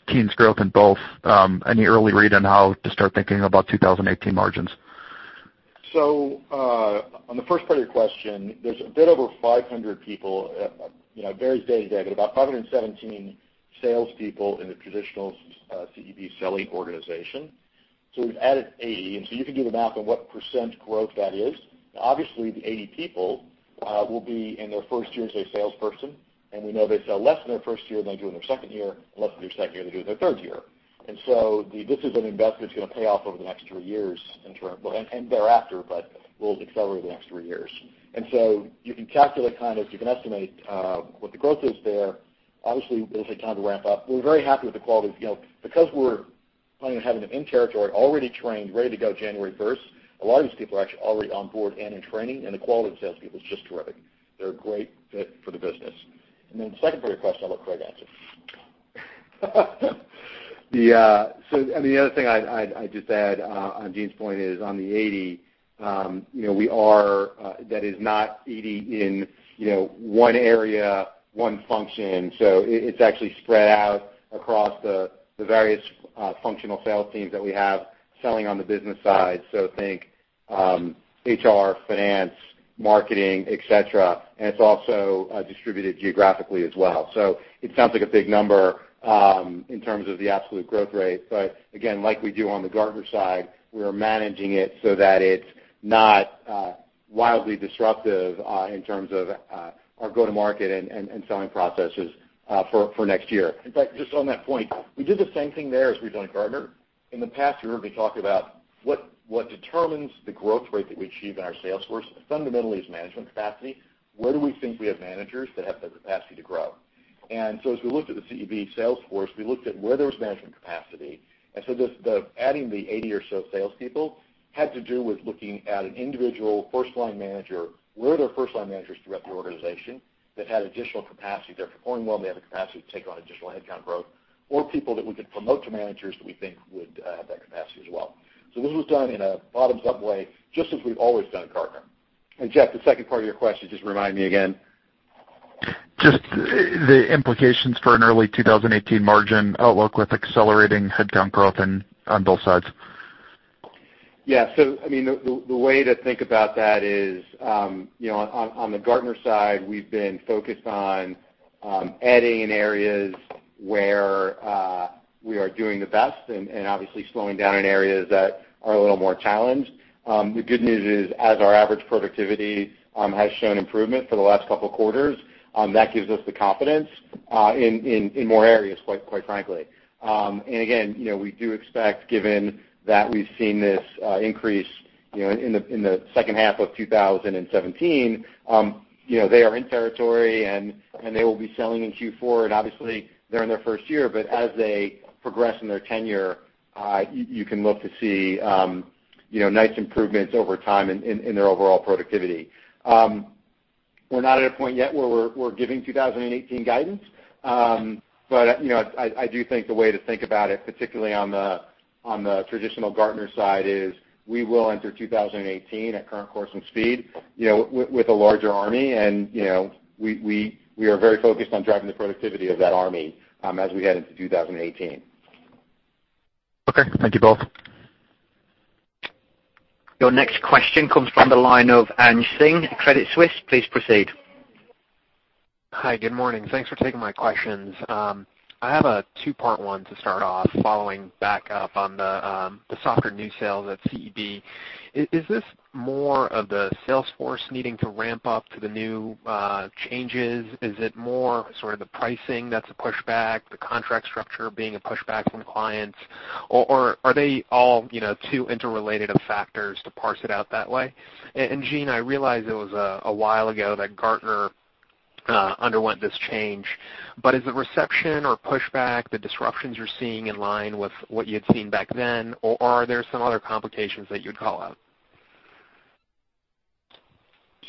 teams growth in both, any early read on how to start thinking about 2018 margins? On the first part of your question, there's a bit over 500 people. You know, it varies day to day, but about 517 salespeople in the traditional CEB selling organization. We've added 80, and so you can do the math on what % growth that is. Now obviously, the 80 people will be in their first year as a salesperson, and we know they sell less in their first year than they do in their second year, and less in their second year than they do in their third year. This is an investment that's going to pay off over the next three years well, and thereafter, but we'll accelerate the next three years. You can calculate kind of, you can estimate, what the growth is there. Obviously, it'll take time to ramp up. We're very happy with the quality. You know, because planning on having them in territory already trained, ready to go January first. A lot of these people are actually already on board and in training. The quality of the salespeople is just terrific. They're a great fit for the business. The second part of your question, I'll let Craig answer. Yeah. I mean, the other thing I'd just add, on Gene's point is on the 80, you know, we are, that is not 80 in, you know, 1area, 1 function. It's actually spread out across the various functional sales teams that we have selling on the business side. Think, HR, Finance, Marketing, et cetera, and it's also distributed geographically as well. It sounds like a big number, in terms of the absolute growth rate, but again, like we do on the Gartner side, we are managing it so that it's not wildly disruptive, in terms of our go-to-market and selling processes, for next year. In fact, just on that point, we did the same thing there as we've done at Gartner. In the past year, we talked about what determines the growth rate that we achieve in our sales force fundamentally is management capacity. Where do we think we have managers that have the capacity to grow? As we looked at the CEB sales force, we looked at where there was management capacity. The adding the 80 or so salespeople had to do with looking at an individual first-line manager, where are there first-line managers throughout the organization that had additional capacity. They're performing well, and they have the capacity to take on additional headcount growth, or people that we could promote to managers that we think would have that capacity as well. This was done in a bottoms-up way, just as we've always done at Gartner. Jeff, the second part of your question, just remind me again? Just the implications for an early 2018 margin outlook with accelerating headcount growth and on both sides. Yeah. I mean, the way to think about that is, on the Gartner side, we've been focused on adding in areas where we are doing the best and obviously slowing down in areas that are a little more challenged. The good news is, as our average productivity has shown improvement for the last couple quarters, that gives us the confidence in more areas, quite frankly. Again, we do expect, given that we've seen this increase in the 2H of 2017, they are in territory, and they will be selling in Q4, and obviously they're in their first year. As they progress in their tenure, you can look to see, you know, nice improvements over time in their overall productivity. We're not at a point yet where we're giving 2018 guidance. You know, I do think the way to think about it, particularly on the, on the traditional Gartner side, is we will enter 2018 at current course and speed, you know, with a larger army. You know, we are very focused on driving the productivity of that army, as we head into 2018. Okay. Thank you both. Your next question comes from the line of Anshul Singh, Credit Suisse. Please proceed. Hi. Good morning. Thanks for taking my questions. I have a two-part one to start off, following back up on the softer new sales at CEB. Is this more of the sales force needing to ramp up to the new changes? Is it more sort of the pricing that's a pushback, the contract structure being a pushback from clients? Are they all, you know, too interrelated of factors to parse it out that way? Eugene, I realize it was a while ago that Gartner underwent this change, is the reception or pushback, the disruptions you're seeing in line with what you had seen back then, or are there some other complications that you'd call out?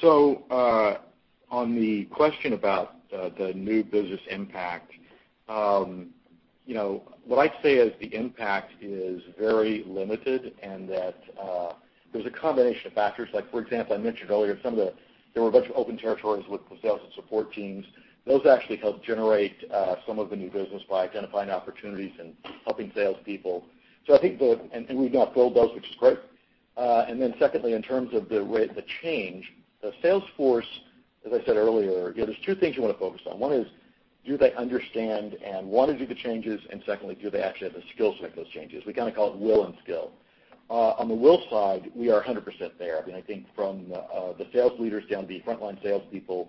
On the question about the new business impact, you know, what I'd say is the impact is very limited and that there's a combination of factors. For example, I mentioned earlier there were a bunch of open territories with the sales and support teams. Those actually helped generate some of the new business by identifying opportunities and helping salespeople. We've now filled those, which is great. Secondly, in terms of the rate of the change, the sales force, as I said earlier, you know, there's two things you want to focus on. One is do they understand and want to do the changes, and secondly, do they actually have the skills to make those changes? We kind of call it will and skill. On the will side, we are 100% there. I mean, I think from the sales leaders down to the frontline salespeople,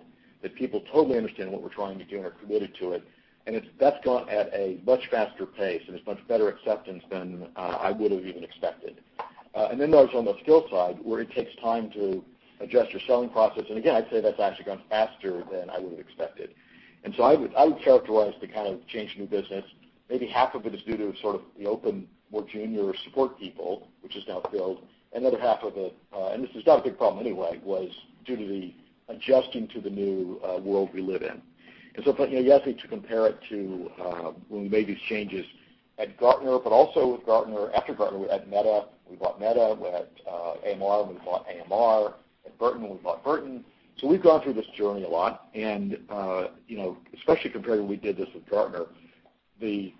people totally understand what we're trying to do and are committed to it. That's gone at a much faster pace, and there's much better acceptance than I would've even expected. There was on the skill side, where it takes time to adjust your selling process. Again, I'd say that's actually gone faster than I would've expected. I would characterize the kind of change in new business, maybe half of it is due to sort of the open, more junior support people, which is now filled, and the other half of it, and this is not a big problem anyway, was due to the adjusting to the new world we live in. If I-- you know, you asked me to compare it to, when we made these changes at Gartner, but also with Gartner, after Gartner, we had Meta. We bought Meta. We had AMR. We bought AMR. We had Burton. We bought Burton. We've gone through this journey a lot and, you know, especially compared to when we did this with Gartner, the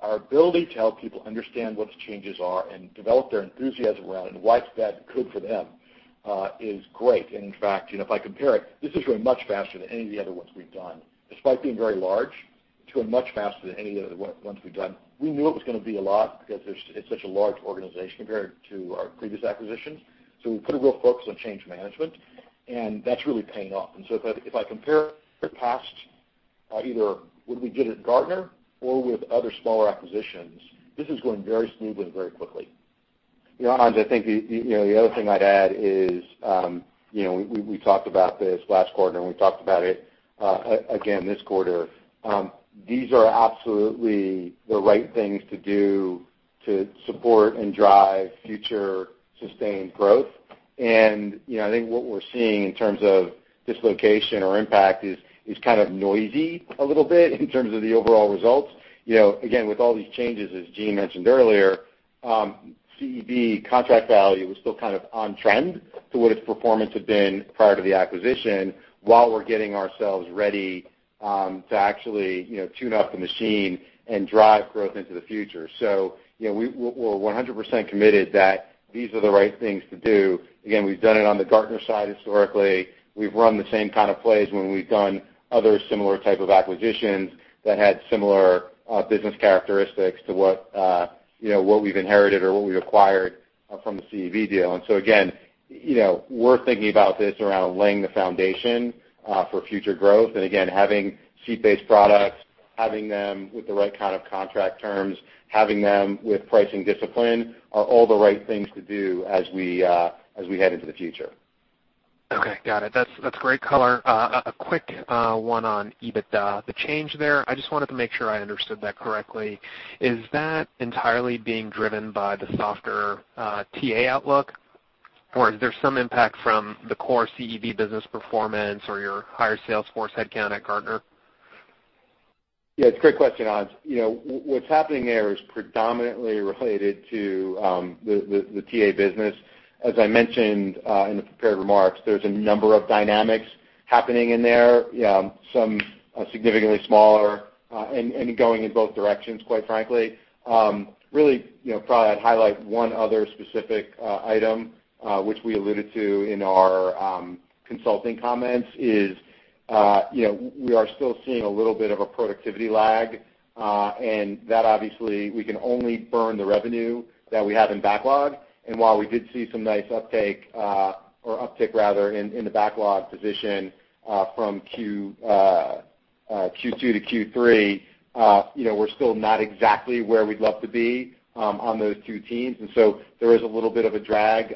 our ability to help people understand what the changes are and develop their enthusiasm around and why that's good for them, is great. In fact, you know, if I compare it, this is going much faster than any of the other ones we've done. Despite being very large, it's going much faster than any of the other ones we've done. We knew it was going to be a lot because it's such a large organization compared to our previous acquisitions, so we put a real focus on change management, and that's really paying off. If I compare past, either when we did it at Gartner or with other smaller acquisitions, this is going very smoothly and very quickly. You know, Ans, I think the, you know, the other thing I'd add is, you know, we talked about this last quarter, we talked about it again this quarter. These are absolutely the right things to do to support and drive future sustained growth. You know, I think what we're seeing in terms of dislocation or impact is kind of noisy a little bit in terms of the overall results. You know, again, with all these changes, as Gene mentioned earlier, CEB contract value was still kind of on trend to what its performance had been prior to the acquisition while we're getting ourselves ready to actually, you know, tune up the machine and drive growth into the future. You know, we're 100% committed that these are the right things to do. Again, we've done it on the Gartner side historically. We've run the same kind of plays when we've done other similar type of acquisitions that had similar business characteristics to what, you know, what we've inherited or what we acquired from the CEB deal. Again, you know, we're thinking about this around laying the foundation for future growth. Again, having seat-based products, having them with the right kind of contract terms, having them with pricing discipline are all the right things to do as we head into the future. Okay. Got it. That's great color. A quick one on EBITDA, the change there. I just wanted to make sure I understood that correctly. Is that entirely being driven by the softer TA outlook, or is there some impact from the core CEB business performance or your higher sales force headcount at Gartner? Yeah, it's a great question, Ans. You know, what's happening there is predominantly related to the TA business. As I mentioned, in the prepared remarks, there's a number of dynamics happening in there. Some are significantly smaller, and going in both directions, quite frankly. Really, you know, probably I'd highlight one other specific item, which we alluded to in our consulting comments, is, you know, we are still seeing a little bit of a productivity lag, and that obviously we can only burn the revenue that we have in backlog. While we did see some nice uptake or uptick rather in the backlog position from Q2 to Q3, you know, we're still not exactly where we'd love to be on those two teams. There is a little bit of a drag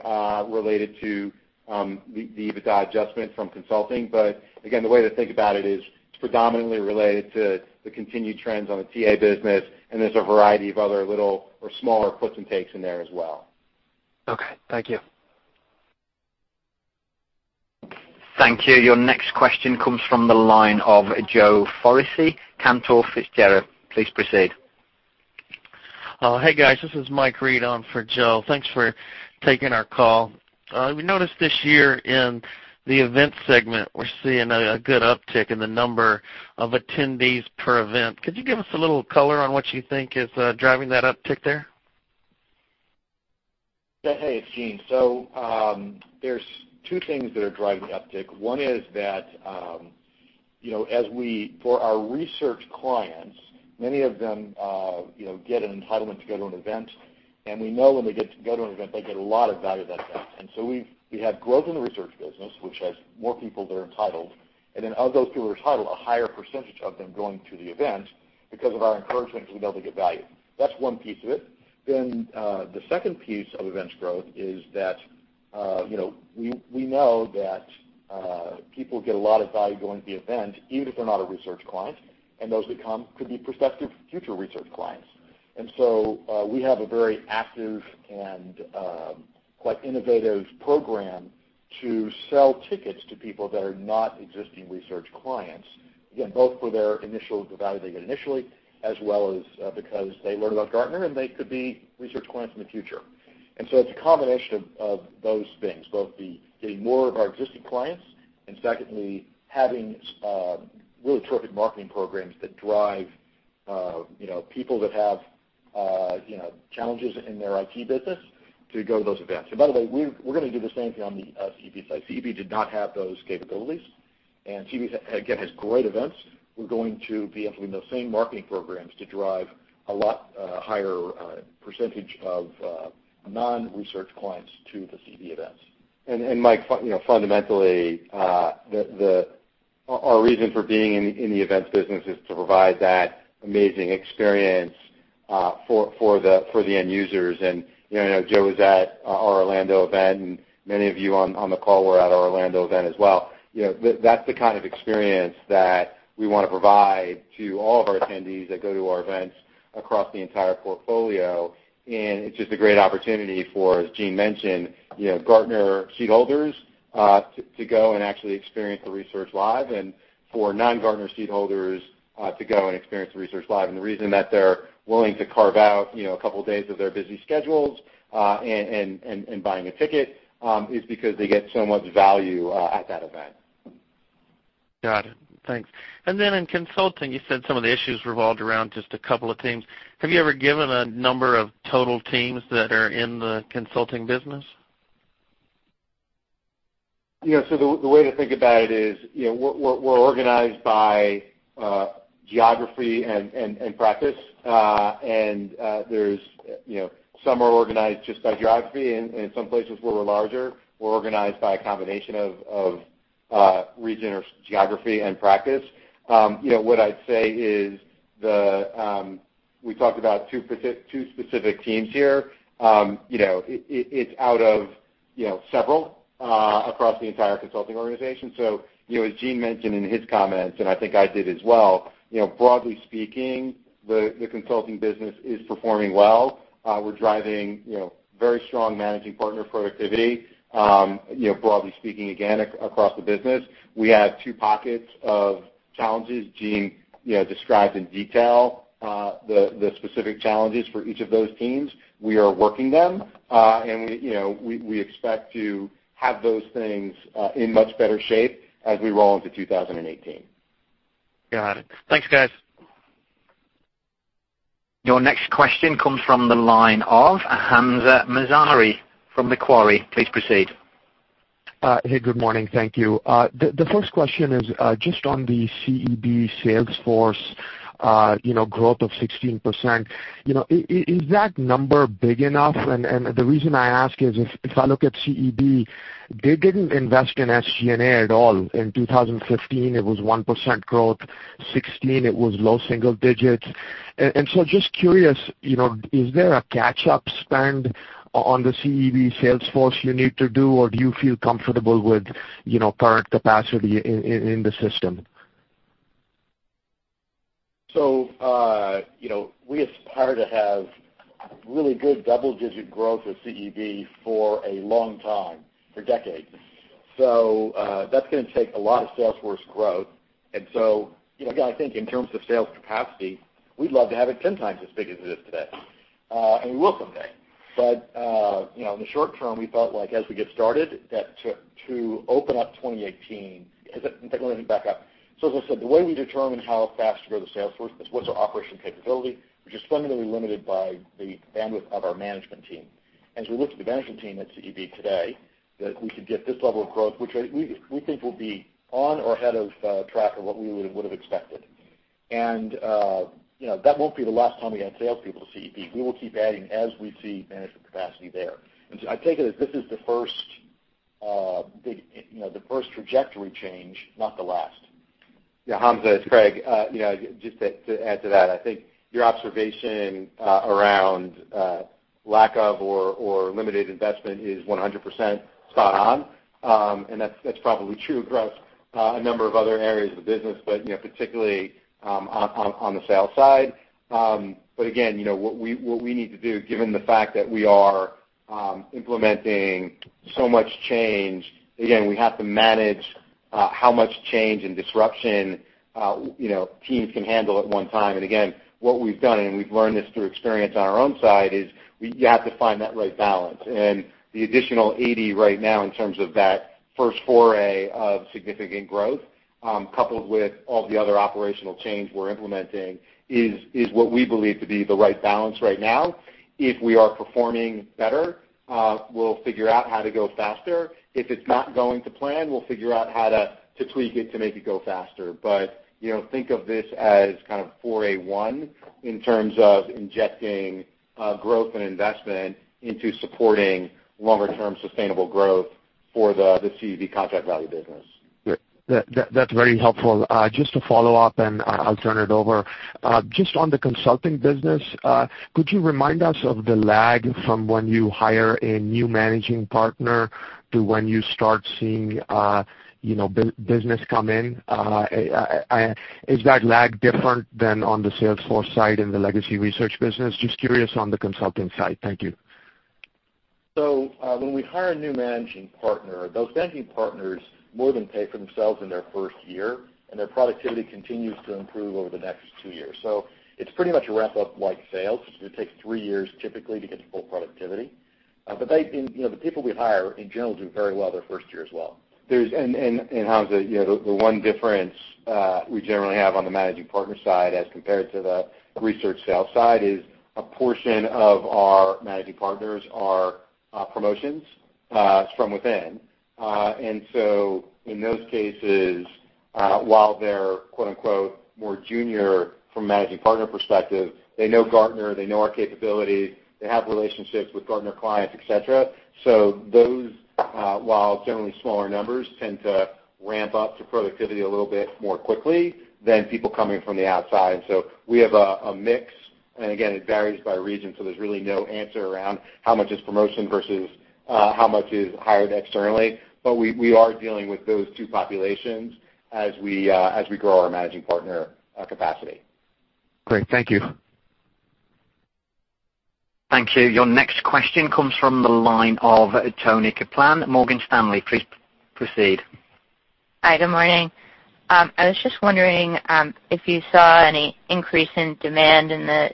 related to the EBITDA adjustment from consulting. The way to think about it is it's predominantly related to the continued trends on the TA business, and there's a variety of other little or smaller puts and takes in there as well. Okay. Thank you. Thank you. Your next question comes from the line of Joseph Foresi, Cantor Fitzgerald. Please proceed. Hey, guys, this is Mike Reed on for Joe. Thanks for taking our call. We noticed this year in the event segment, we're seeing a good uptick in the number of attendees per event. Could you give us a little color on what you think is driving that uptick there? Yeah. Hey, it's Gene. There's two things that are driving the uptick. One is that, you know, for our research clients, many of them, you know, get an entitlement to go to an event, and we know when they get to go to an event, they get a lot of value at that event. We have growth in the research business, which has more people that are entitled. Of those people who are entitled, a higher percentage of them going to the event because of our encouragement to be able to get value. That's one piece of it. The second piece of events growth is that, you know, we know that people get a lot of value going to the event, even if they're not a research client, and those that come could be prospective future research clients. We have a very active and quite innovative program to sell tickets to people that are not existing research clients, again, both for the value they get initially, as well as, because they learn about Gartner, and they could be research clients in the future. It's a combination of those things, both the getting more of our existing clients and secondly, having really terrific marketing programs that drive, you know, people that have, you know, challenges in their IT business to go to those events. By the way, we're going to do the same thing on the CEB side. CEB did not have those capabilities, and CEB again has great events. We're going to be implementing those same marketing programs to drive a lot higher percentage of non-research clients to the CEB events. Mike, you know, fundamentally, our reason for being in the events business is to provide that amazing experience for the end users. You know, I know Joe was at our Orlando event, and many of you on the call were at our Orlando event as well. You know, that's the kind of experience that we want to provide to all of our attendees that go to our events across the entire portfolio. It's just a great opportunity for, as Gene mentioned, you know, Gartner seat holders to go and actually experience the research live and for non-Gartner seat holders to go and experience the research live. The reason that they're willing to carve out, you know, a couple of days of their busy schedules, and buying a ticket, is because they get so much value at that event. Got it. Thanks. In consulting, you said some of the issues revolved around just a couple of teams. Have you ever given a number of total teams that are in the consulting business? Yeah. The way to think about it is, you know, we're organized by geography and practice. There's, you know, some are organized just by geography, and some places where we're larger, we're organized by a combination of region or geography and practice. You know, what I'd say is the, we talked about two specific teams here. You know, it's out of, you know, several across the entire consulting organization. You know, as Gene mentioned in his comments, and I think I did as well, you know, broadly speaking, the consulting business is performing well. We're driving, you know, very strong managing partner productivity, you know, broadly speaking again across the business. We have two pockets of challenges Gene, you know, described in detail, the specific challenges for each of those teams. We are working them, and we, you know, we expect to have those things in much better shape as we roll into 2018. Got it. Thanks, guys. Your next question comes from the line of Hamza Mazari from Macquarie. Please proceed. Hey, good morning. Thank you. The first question is just on the CEB sales force, you know, growth of 16%. You know, is that number big enough? The reason I ask is if I look at CEB, they didn't invest in SG&A at all. In 2015 it was 1% growth. 2016 it was low single digits. Just curious, you know, is there a catch-up spend on the CEB sales force you need to do or do you feel comfortable with, you know, current capacity in the system? You know, we aspire to have really good double-digit growth with CEB for a long time, for decades. That's going to take a lot of sales force growth. You know, again, I think in terms of sales capacity, we'd love to have it 10x as big as it is today. And we will someday. You know, in the short term we thought, like, as we get started, that to open up 2018. In fact, let me back up. As I said, the way we determine how fast to grow the sales force is what's our operation capability, which is fundamentally limited by the bandwidth of our management team. As we look to the management team at CEB today, that we could get this level of growth, which I, we think will be on or ahead of track of what we would have expected. You know, that won't be the last time we add sales people to CEB. We will keep adding as we see management capacity there. I take it as this is the first, big, you know, the first trajectory change, not the last. Yeah, Hamza, it's Craig. You know, just to add to that, I think your observation around lack of or limited investment is 100% spot on. That's probably true across a number of other areas of the business, but, you know, particularly on the sales side. Again, you know, what we need to do given the fact that we are implementing so much change, again, we have to manage how much change and disruption, you know, teams can handle at one time. Again, what we've done, and we've learned this through experience on our own side, is you have to find that right balance. The additional 80 right now in terms of that first foray of significant growth, coupled with all the other operational change we're implementing is what we believe to be the right balance right now. If we are performing better, we'll figure out how to go faster. If it's not going to plan, we'll figure out how to tweak it to make it go faster. You know, think of this as kind of foray one in terms of injecting growth and investment into supporting longer term sustainable growth for the CEB contract value business. Great. That's very helpful. Just to follow up, and I'll turn it over. Just on the consulting business, could you remind us of the lag from when you hire a new managing partner to when you start seeing, you know, business come in? Is that lag different than on the sales force side in the legacy research business? Just curious on the consulting side. Thank you. When we hire a new managing partner, those managing partners more than pay for themselves in their first year, and their productivity continues to improve over the next two years. It's pretty much a ramp-up like sales. It takes three years typically to get to full productivity. They, and, you know, the people we hire in general do very well their first year as well. There's and Hamza, you know, the one difference we generally have on the managing partner side as compared to the research sales side is a portion of our managing partners are promotions from within. In those cases, while they're, quote-unquote, more junior from a managing partner perspective, they know Gartner, they know our capabilities, they have relationships with Gartner clients, et cetera. Those, while generally smaller numbers, tend to ramp up to productivity a little bit more quickly than people coming from the outside. We have a mix, and again, it varies by region, so there's really no answer around how much is promotion versus, how much is hired externally. We are dealing with those two populations as we, as we grow our managing partner capacity. Great. Thank you. Thank you. Your next question comes from the line of Toni Kaplan, Morgan Stanley. Please proceed. Hi, good morning. I was just wondering if you saw any increase in demand in the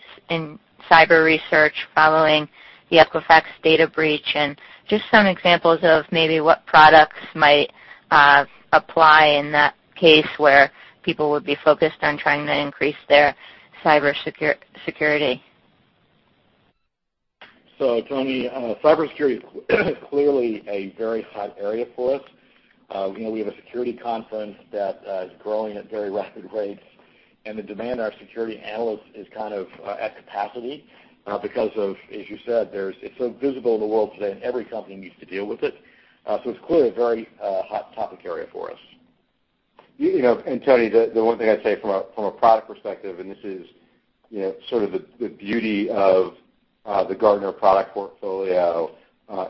cyber research following the Equifax data breach, and just some examples of maybe what products might apply in that case where people would be focused on trying to increase their cyber security? Toni, cybersecurity is clearly a very hot area for us. You know, we have a security conference that is growing at very rapid rates. The demand on our security analysts is kind of at capacity because of, as you said, it's so visible in the world today, and every company needs to deal with it. It's clearly a very hot topic area for us. You know, and Toni, the one thing I'd say from a product perspective, and this is, you know, sort of the beauty of the Gartner product portfolio,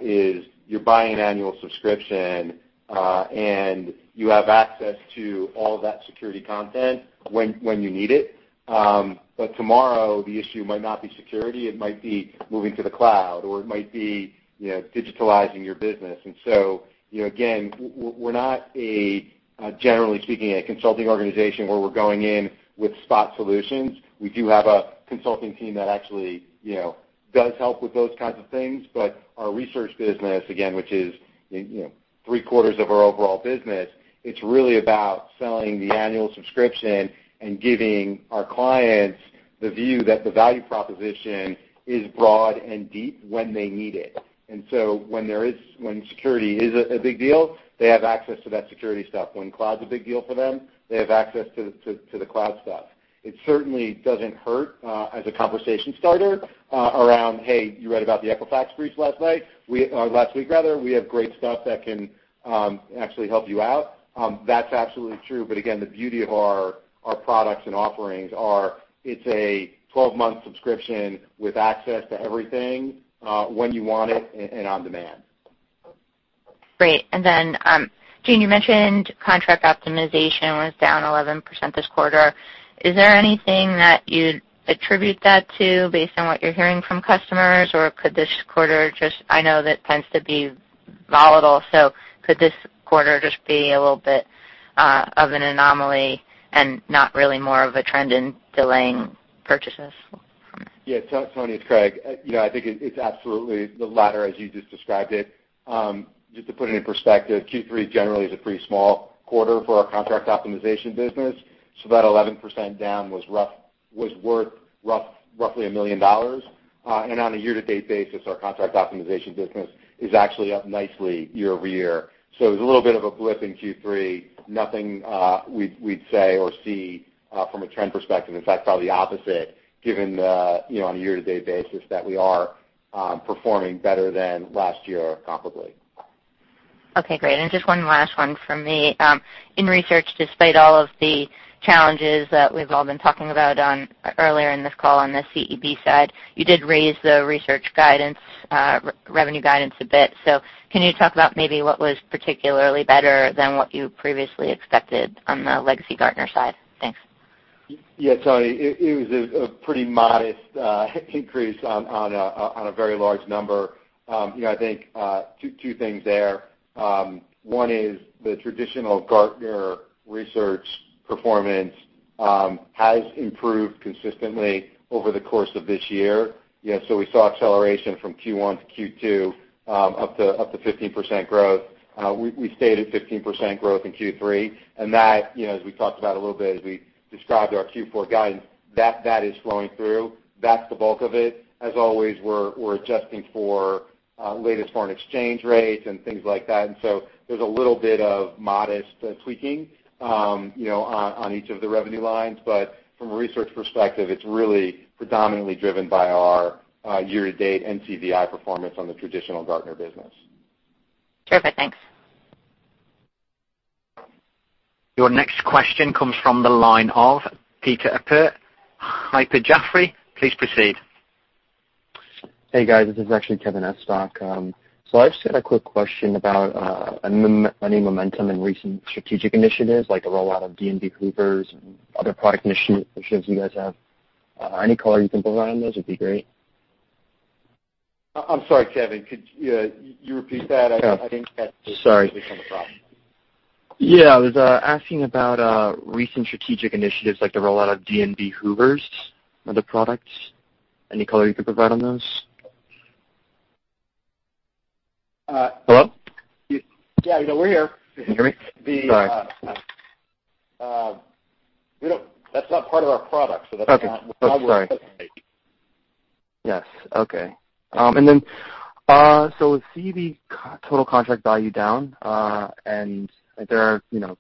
is you're buying an annual subscription, and you have access to all that security content when you need it. Tomorrow the issue might not be security, it might be moving to the cloud, or it might be, you know, digitalizing your business. You know, again, we're not a generally speaking, a consulting organization where we're going in with spot solutions. We do have a consulting team that actually, you know, does help with those kinds of things. Our research business, again, which is you know, 3/4 of our overall business, it's really about selling the annual subscription and giving our clients the view that the value proposition is broad and deep when they need it. When security is a big deal, they have access to that security stuff. When cloud's a big deal for them, they have access to the cloud stuff. It certainly doesn't hurt as a conversation starter around, "Hey, you read about the Equifax breach last night." Last week rather. We have great stuff that can actually help you out. That's absolutely true. Again, the beauty of our products and offerings are it's a 12-month subscription with access to everything when you want it and on demand. Great. Gene, you mentioned contract optimization was down 11% this quarter. Is there anything that you'd attribute that to based on what you're hearing from customers? Could this quarter just I know that tends to be volatile, so could this quarter just be a little bit of an anomaly and not really more of a trend in delaying purchases? Toni, it's Craig. You know, I think it's absolutely the latter as you just described it. Just to put it in perspective, Q3 generally is a pretty small quarter for our contract optimization business, so that 11% down was worth roughly $1 million. On a year-to-date basis, our contract optimization business is actually up nicely year-over-year. It was a little bit of a blip in Q3, nothing we'd say or see from a trend perspective. In fact, probably the opposite given the, you know, on a year-to-date basis that we are performing better than last year comparably. Okay, great. Just one last one from me. In research, despite all of the challenges that we've all been talking about earlier in this call on the CEB side, you did raise the research revenue guidance a bit. Can you talk about maybe what was particularly better than what you previously expected on the legacy Gartner side? Thanks. Yeah, Toni, it was a pretty modest increase on a very large number. You know, I think two things there. One is the traditional Gartner research performance has improved consistently over the course of this year. You know, we saw acceleration from Q1 to Q2, up to 15% growth. We stayed at 15% growth in Q3, and that, you know, as we talked about a little bit as we described our Q4 guidance, that is flowing through. That's the bulk of it. As always, we're adjusting for latest foreign exchange rates and things like that. there's a little bit of modest tweaking, you know, on each of the revenue lines. From a research perspective, it's really predominantly driven by our year-to-date NCVI performance on the traditional Gartner business. Terrific. Thanks. Your next question comes from the line of Peter Appert, Piper Jaffray. Please proceed. Hey, guys. This is actually Kevin Estock. I just had a quick question about any momentum in recent strategic initiatives, like the rollout of D&B Hoovers and other product initiatives you guys have. Any color you can provide on those would be great. I'm sorry, Kevin. Could you repeat that? Yeah. I didn't catch. Sorry completely come across. Yeah. I was asking about recent strategic initiatives like the rollout of D&B Hoovers, other products. Any color you could provide on those? Hello? Yeah, you know, we're here. Can you hear me? Sorry. The, That's not part of our product, so that's not. Okay. Oh, sorry what we're Yes. Okay. With CEB total contract value down, and there are, you know,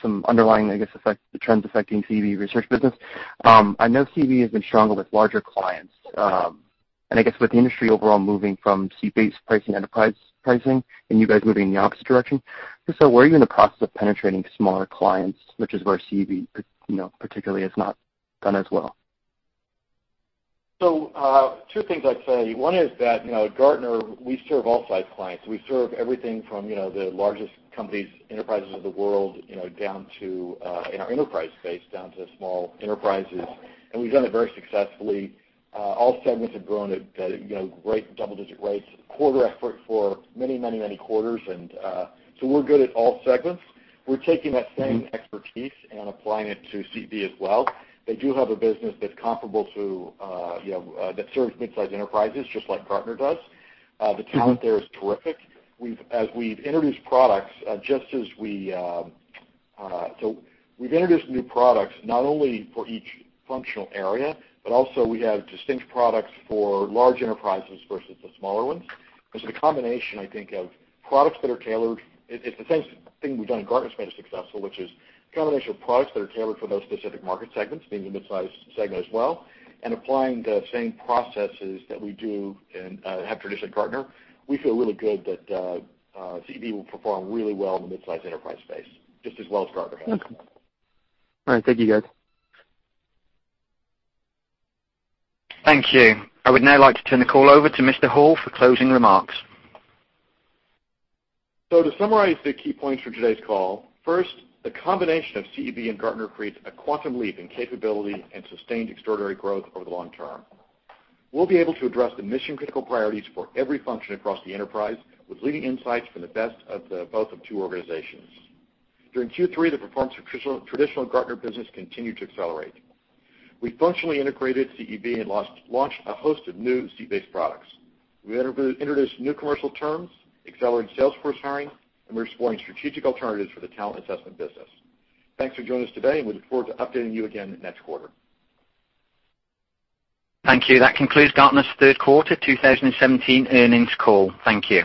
some underlying, I guess, trends affecting CEB Research business, I know CEB has been strong with larger clients. I guess with the industry overall moving from seat-based pricing to enterprise pricing, and you guys moving in the opposite direction, are you in the process of penetrating smaller clients, which is where CEB, you know, particularly has not done as well? Two things I'd say. One is that, you know, at Gartner we serve all size clients. We serve everything from, you know, the largest companies, enterprises of the world, you know, down to, in our enterprise space, down to small enterprises, and we've done it very successfully. All segments have grown at, you know, great double-digit rates quarter after for many, many, many quarters. We're good at all segments. We're taking that same expertise and applying it to CEB as well. They do have a business that's comparable to, you know, that serves midsize enterprises just like Gartner does. The talent there is terrific. So we've introduced new products not only for each functional area, but also we have distinct products for large enterprises versus the smaller ones. The combination, I think, of products that are tailored, it's the same thing we've done at Gartner that's made us successful, which is combination of products that are tailored for those specific market segments, meaning the midsize segment as well, and applying the same processes that we do and have traditionally at Gartner. We feel really good that CEB will perform really well in the midsize enterprise space, just as well as Gartner has. Okay. All right. Thank you, guys. Thank you. I would now like to turn the call over to Mr. Hall for closing remarks. To summarize the key points for today's call. First, the combination of CEB and Gartner creates a quantum leap in capability and sustained extraordinary growth over the long term. We'll be able to address the mission-critical priorities for every function across the enterprise with leading insights from the best of the two organizations. During Q3, the performance of traditional Gartner business continued to accelerate. We functionally integrated CEB and launched a host of new seat-based products. We introduced new commercial terms, accelerated sales force hiring, and we're exploring strategic alternatives for the talent assessment business. Thanks for joining us today, and we look forward to updating you again next quarter. Thank you. That concludes Gartner's Q3 2017 earnings call. Thank you.